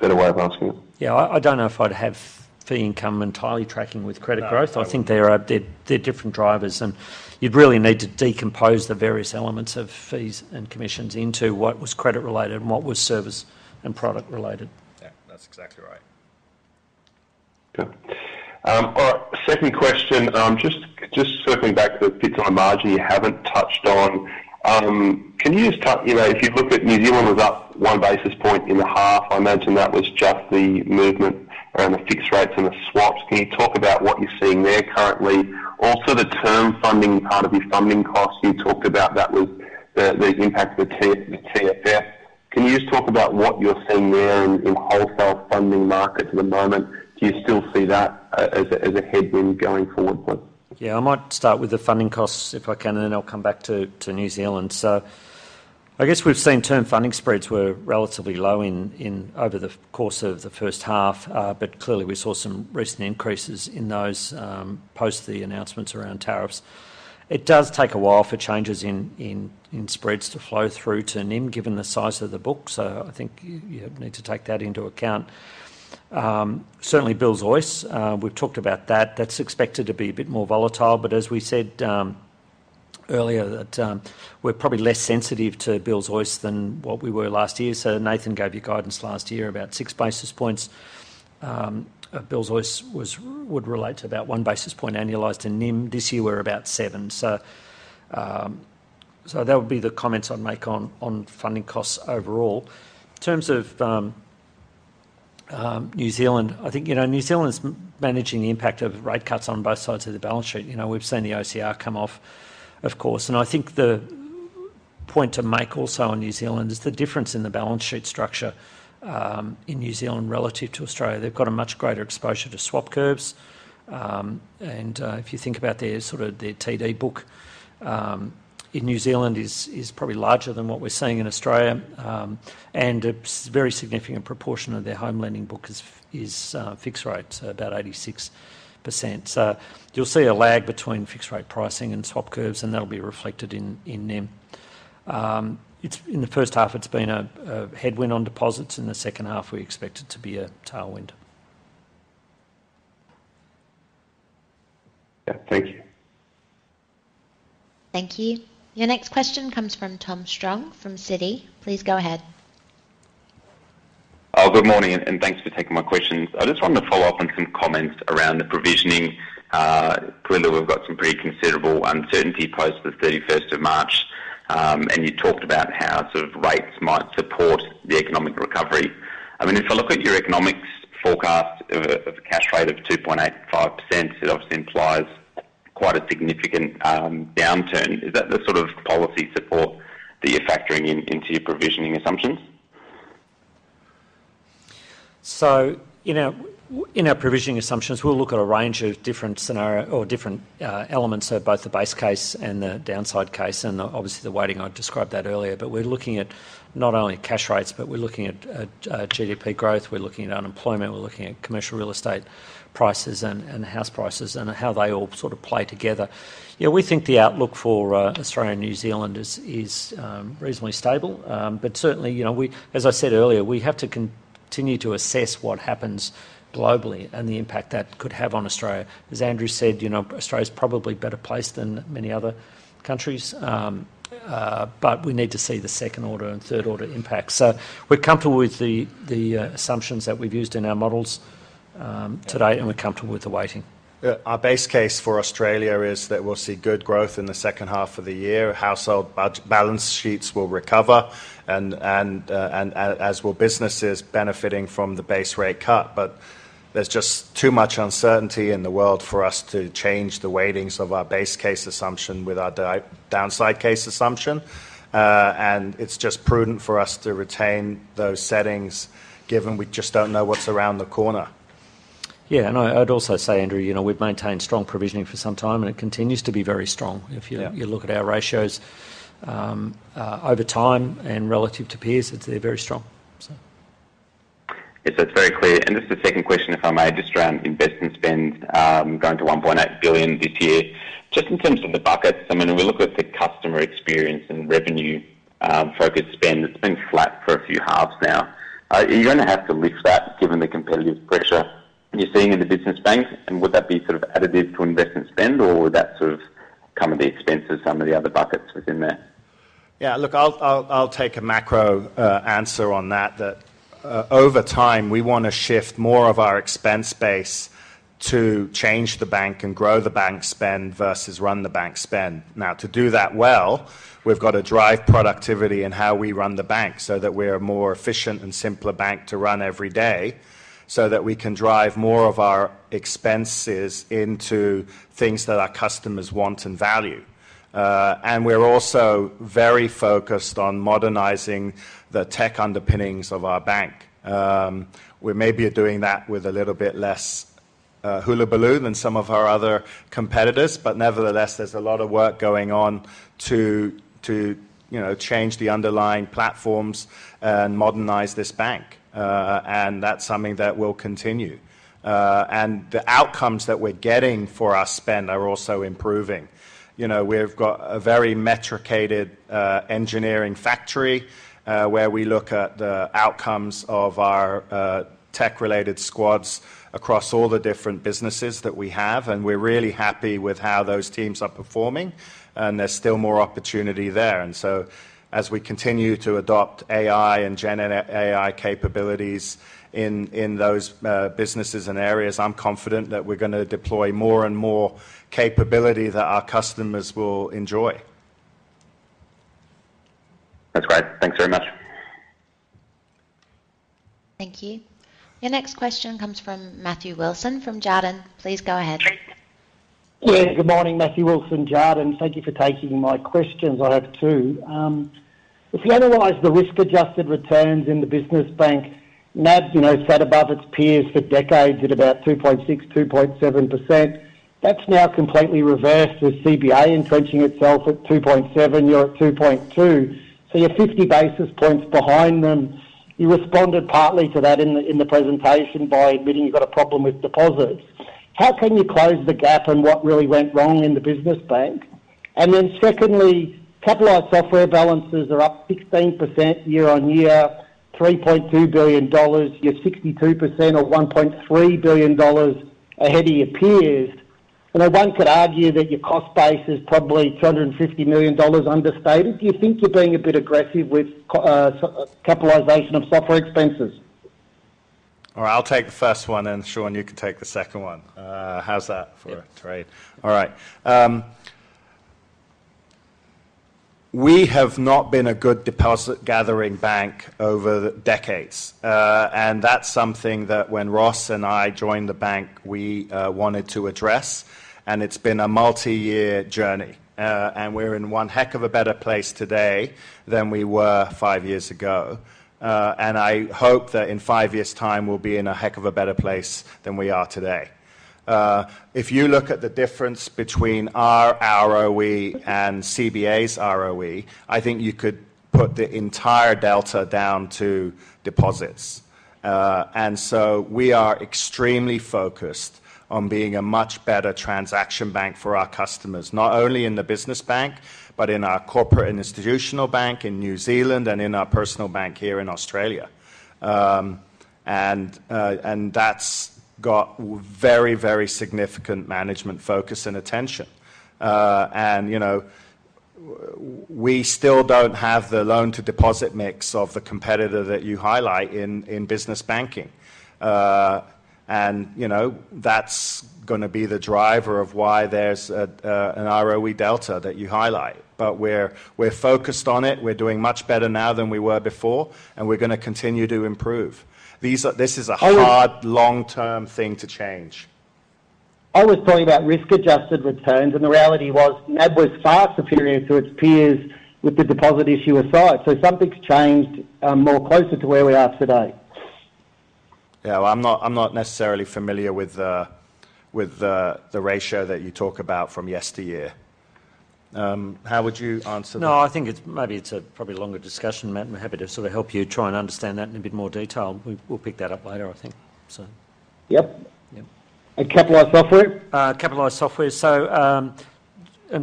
better way of asking it. Yeah. I don't know if I'd have fee income entirely tracking with credit growth. I think they're different drivers. And you'd really need to decompose the various elements of fees and commissions into what was credit-related and what was service and product-related. Yeah. That's exactly right. Okay. All right. Second question. Just circling back to the bits on the margin you haven't touched on. Can you just touch if you look at New Zealand, it was up one basis point in the half. I imagine that was just the movement around the fixed rates and the swaps. Can you talk about what you're seeing there currently? Also, the term funding part of your funding costs you talked about, that was the impact of the TFF. Can you just talk about what you're seeing there in wholesale funding markets at the moment? Do you still see that as a headwind going forward? Yeah. I might start with the funding costs if I can, and then I'll come back to New Zealand. I guess we've seen term funding spreads were relatively low over the course of the first half. Clearly, we saw some recent increases in those post the announcements around tariffs. It does take a while for changes in spreads to flow through to NIM, given the size of the book. I think you need to take that into account. Certainly, Bill's OIS, we've talked about that. That's expected to be a bit more volatile. As we said earlier, we're probably less sensitive to Bill's OIS than what we were last year. Nathan gave you guidance last year about six basis points. Bill's OIS would relate to about one basis point annualized in NIM. This year, we're about seven. That would be the comments I'd make on funding costs overall. In terms of New Zealand, I think New Zealand's managing the impact of rate cuts on both sides of the balance sheet. We've seen the OCR come off, of course. I think the point to make also on New Zealand is the difference in the balance sheet structure in New Zealand relative to Australia. They've got a much greater exposure to swap curves. If you think about their sort of TD book, in New Zealand it is probably larger than what we're seeing in Australia. A very significant proportion of their home lending book is fixed rates, about 86%. You will see a lag between fixed rate pricing and swap curves, and that will be reflected in NIM. In the first half, it has been a headwind on deposits. In the second half, we expect it to be a tailwind. Thank you. Thank you. Your next question comes from Tom Strong from Citi. Please go ahead. Good morning, and thanks for taking my questions. I just wanted to follow up on some comments around the provisioning. Clearly, we have got some pretty considerable uncertainty post the 31st of March. You talked about how sort of rates might support the economic recovery. I mean, if I look at your economics forecast of a cash rate of 2.85%, it obviously implies quite a significant downturn. Is that the sort of policy support that you're factoring into your provisioning assumptions? In our provisioning assumptions, we'll look at a range of different scenarios or different elements of both the base case and the downside case. Obviously, the weighting, I described that earlier. We're looking at not only cash rates, but we're looking at GDP growth. We're looking at unemployment. We're looking at commercial real estate prices and house prices and how they all sort of play together. Yeah. We think the outlook for Australia and New Zealand is reasonably stable. Certainly, as I said earlier, we have to continue to assess what happens globally and the impact that could have on Australia. As Andrew said, Australia's probably better placed than many other countries. We need to see the second-order and third-order impacts. We're comfortable with the assumptions that we've used in our models today, and we're comfortable with the weighting. Our base case for Australia is that we'll see good growth in the second half of the year. Household balance sheets will recover, as will businesses benefiting from the base rate cut. There is just too much uncertainty in the world for us to change the weightings of our base case assumption with our downside case assumption. It is just prudent for us to retain those settings given we just do not know what's around the corner. Yeah. I'd also say, Andrew, we've maintained strong provisioning for some time, and it continues to be very strong. If you look at our ratios over time and relative to peers, they're very strong. It's very clear. Just a second question, if I may, just around invest and spend going to 1.8 billion this year. Just in terms of the buckets, I mean, we look at the customer experience and revenue-focused spend. It's been flat for a few halves now. Are you going to have to lift that given the competitive pressure you're seeing in the business bank? And would that be sort of additive to invest and spend, or would that sort of come at the expense of some of the other buckets within there? Yeah. Look, I'll take a macro answer on that. That over time, we want to shift more of our expense base to change the bank and grow the bank spend versus run the bank spend. Now, to do that well, we've got to drive productivity in how we run the bank so that we're a more efficient and simpler bank to run every day so that we can drive more of our expenses into things that our customers want and value. We're also very focused on modernizing the tech underpinnings of our bank. We may be doing that with a little bit less hula-baloo than some of our other competitors. Nevertheless, there's a lot of work going on to change the underlying platforms and modernize this bank. That's something that will continue. The outcomes that we're getting for our spend are also improving. We've got a very metricated engineering factory where we look at the outcomes of our tech-related squads across all the different businesses that we have. We're really happy with how those teams are performing. There's still more opportunity there. As we continue to adopt AI and GenAI capabilities in those businesses and areas, I'm confident that we're going to deploy more and more capability that our customers will enjoy. That's great. Thanks very much. Thank you. Your next question comes from Matthew Wilson from Jarden. Please go ahead. Good morning, Matthew Wilson. Jarden, thank you for taking my questions. I have two. If we analyse the risk-adjusted returns in the business bank, NAB sat above its peers for decades at about 2.6-2.7%. That's now completely reversed. The CBA is trenching itself at 2.7%. You're at 2.2%. So you're 50 basis points behind them. You responded partly to that in the presentation by admitting you've got a problem with deposits. How can you close the gap and what really went wrong in the business bank? Secondly, capitalise software balances are up 16% year on year, 3.2 billion dollars. You are 62% or 1.3 billion dollars ahead of your peers. No one could argue that your cost base is probably 250 million dollars understated. Do you think you are being a bit aggressive with capitalisation of software expenses? All right. I will take the first one. Then, Shaun, you can take the second one. How is that for a trade? We have not been a good deposit-gathering bank over decades. That is something that when Ross and I joined the bank, we wanted to address. It has been a multi-year journey. We are in one heck of a better place today than we were five years ago. I hope that in five years' time, we will be in a heck of a better place than we are today. If you look at the difference between our ROE and CBA's ROE, I think you could put the entire delta down to deposits. We are extremely focused on being a much better transaction bank for our customers, not only in the business bank, but in our corporate and institutional bank in New Zealand and in our personal bank here in Australia. That has very, very significant management focus and attention. We still do not have the loan-to-deposit mix of the competitor that you highlight in business banking. That is going to be the driver of why there is an ROE delta that you highlight. We are focused on it. We are doing much better now than we were before. We are going to continue to improve. This is a hard, long-term thing to change. I was talking about risk-adjusted returns. The reality was NAB was far superior to its peers with the deposit issue aside. Something's changed more closer to where we are today. I'm not necessarily familiar with the ratio that you talk about from yesteryear. How would you answer that? I think maybe it's a probably longer discussion. Matt, I'm happy to sort of help you try and understand that in a bit more detail. We'll pick that up later, I think. Capitalise Software? Capitalise Software.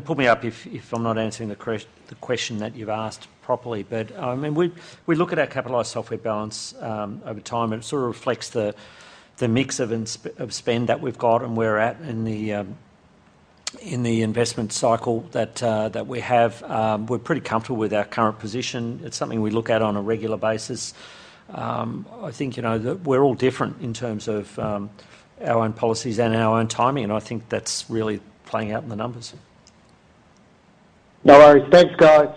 Pull me up if I'm not answering the question that you've asked properly. I mean, we look at our Capitalise Software balance over time. It sort of reflects the mix of spend that we've got and where we're at in the investment cycle that we have. We're pretty comfortable with our current position. It's something we look at on a regular basis. I think that we're all different in terms of our own policies and our own timing. I think that's really playing out in the numbers. No worries. Thanks, guys.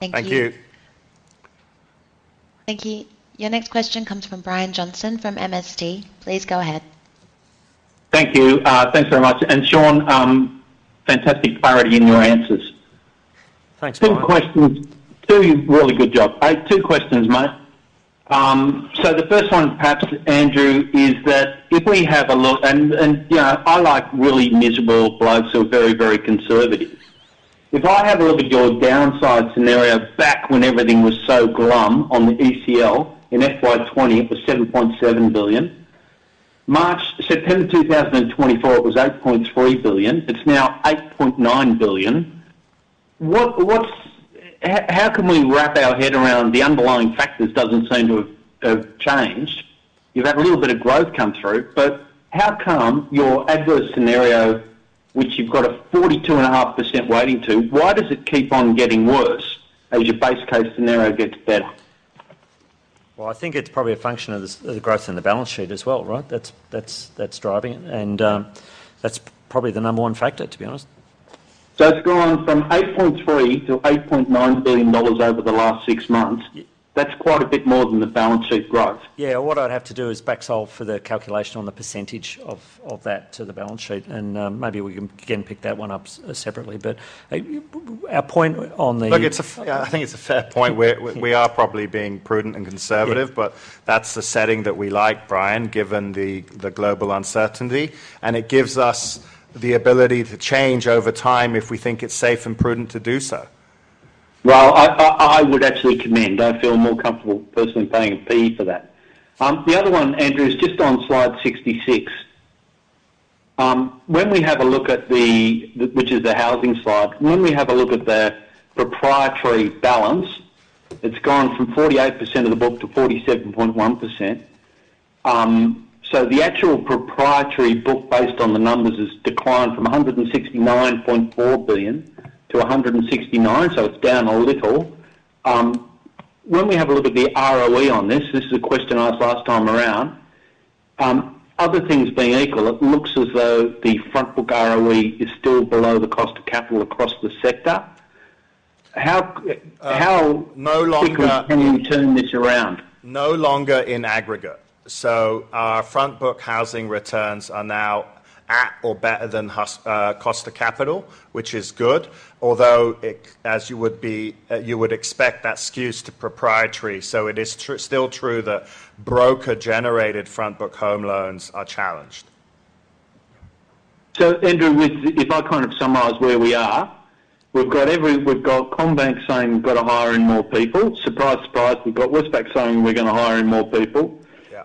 Thank you. Thank you. Your next question comes from Brian Johnson from MST. Please go ahead. Thank you. Thanks very much. And Shaun, fantastic clarity in your answers. Thanks for that. Two questions. Two really good jobs. Two questions, mate. The first one, perhaps, Andrew, is that if we have a look and I like really miserable blokes who are very, very conservative. If I have a look at your downside scenario back when everything was so glum on the ECL, in FY2020, it was 7.7 billion. September 2024, it was 8.3 billion. It's now 8.9 billion. How can we wrap our head around the underlying factors? It doesn't seem to have changed. You've had a little bit of growth come through. But how come your adverse scenario, which you've got a 42.5% weighting to, why does it keep on getting worse as your base case scenario gets better? I think it's probably a function of the growth in the balance sheet as well, right? That's driving it. And that's probably the number one factor, to be honest. So it's gone from 8.3 billion to 8.9 billion dollars over the last six months. That's quite a bit more than the balance sheet growth. Yeah. What I'd have to do is backsolve for the calculation on the percentage of that to the balance sheet. Maybe we can again pick that one up separately. Our point on the— Look, I think it's a fair point. We are probably being prudent and conservative. That is the setting that we like, Brian, given the global uncertainty. It gives us the ability to change over time if we think it is safe and prudent to do so. I would absolutely commend. I feel more comfortable personally paying a fee for that. The other one, Andrew, is just on slide 66. When we have a look at the, which is the housing slide, when we have a look at the proprietary balance, it has gone from 48% of the book to 47.1%. The actual proprietary book based on the numbers has declined from 169.4 billion to 169 billion. It is down a little. When we have a look at the ROE on this, this is a question I asked last time around. Other things being equal, it looks as though the front book ROE is still below the cost of capital across the sector. How can you turn this around? No longer. No longer in aggregate. Our front book housing returns are now at or better than cost of capital, which is good. Although, as you would expect, that skews to proprietary. It is still true that broker-generated front book home loans are challenged. Andrew, if I kind of summarise where we are, we've got Commonwealth Bank saying we've got to hire in more people. Surprise, surprise, we've got Westpac saying we're going to hire in more people.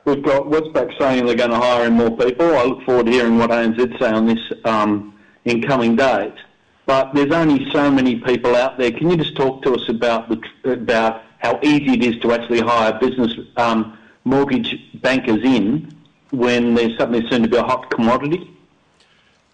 We've got Westpac saying they're going to hire in more people. I look forward to hearing what Ann Sherry say on this incoming date. There are only so many people out there. Can you just talk to us about how easy it is to actually hire business mortgage bankers in when they're suddenly soon to be a hot commodity?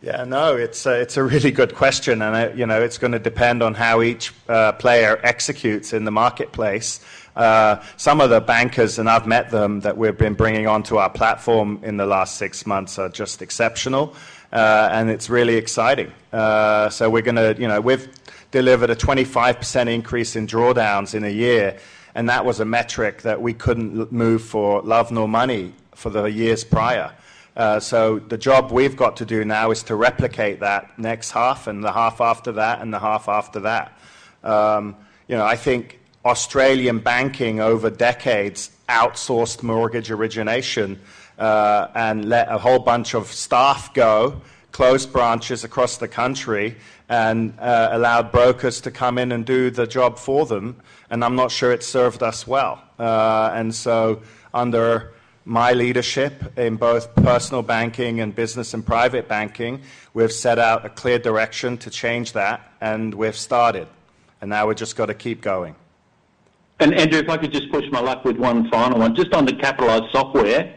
Yeah. No, it's a really good question. It's going to depend on how each player executes in the marketplace. Some of the bankers, and I've met them that we've been bringing onto our platform in the last six months, are just exceptional. It's really exciting. We've delivered a 25% increase in drawdowns in a year. That was a metric that we couldn't move for Love Nor Money for the years prior. The job we've got to do now is to replicate that next half and the half after that and the half after that. I think Australian banking over decades outsourced mortgage origination and let a whole bunch of staff go, closed branches across the country, and allowed brokers to come in and do the job for them. I'm not sure it served us well. Under my leadership in both personal banking and business and private banking, we've set out a clear direction to change that. We've started. Now we've just got to keep going. Andrew, if I could just push my luck with one final one. Just on the Capitalise Software,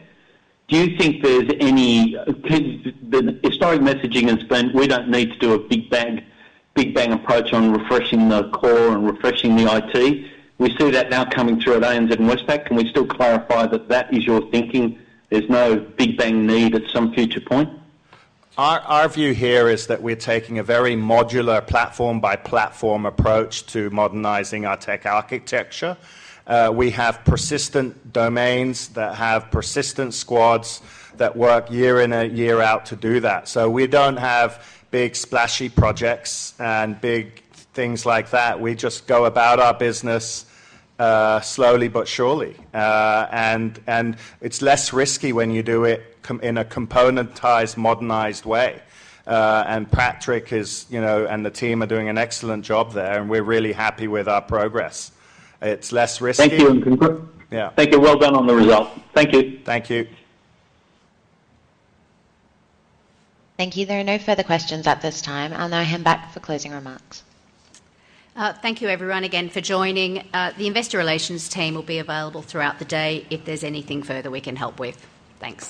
do you think there's any, because the historic messaging has been we don't need to do a big bang approach on refreshing the core and refreshing the IT. We see that now coming through at ANZ and Westpac. Can we still clarify that that is your thinking? There's no big bang need at some future point? Our view here is that we're taking a very modular platform-by-platform approach to modernising our tech architecture. We have persistent domains that have persistent squads that work year in and year out to do that. We do not have big splashy projects and big things like that. We just go about our business slowly but surely. It is less risky when you do it in a componentised, modernised way. Patrick and the team are doing an excellent job there. We are really happy with our progress. It is less risky. Thank you. Well done on the result. Thank you. Thank you. Thank you. There are no further questions at this time. I will now hand back for closing remarks. Thank you, everyone, again for joining. The investor relations team will be available throughout the day if there is anything further we can help with. Thanks.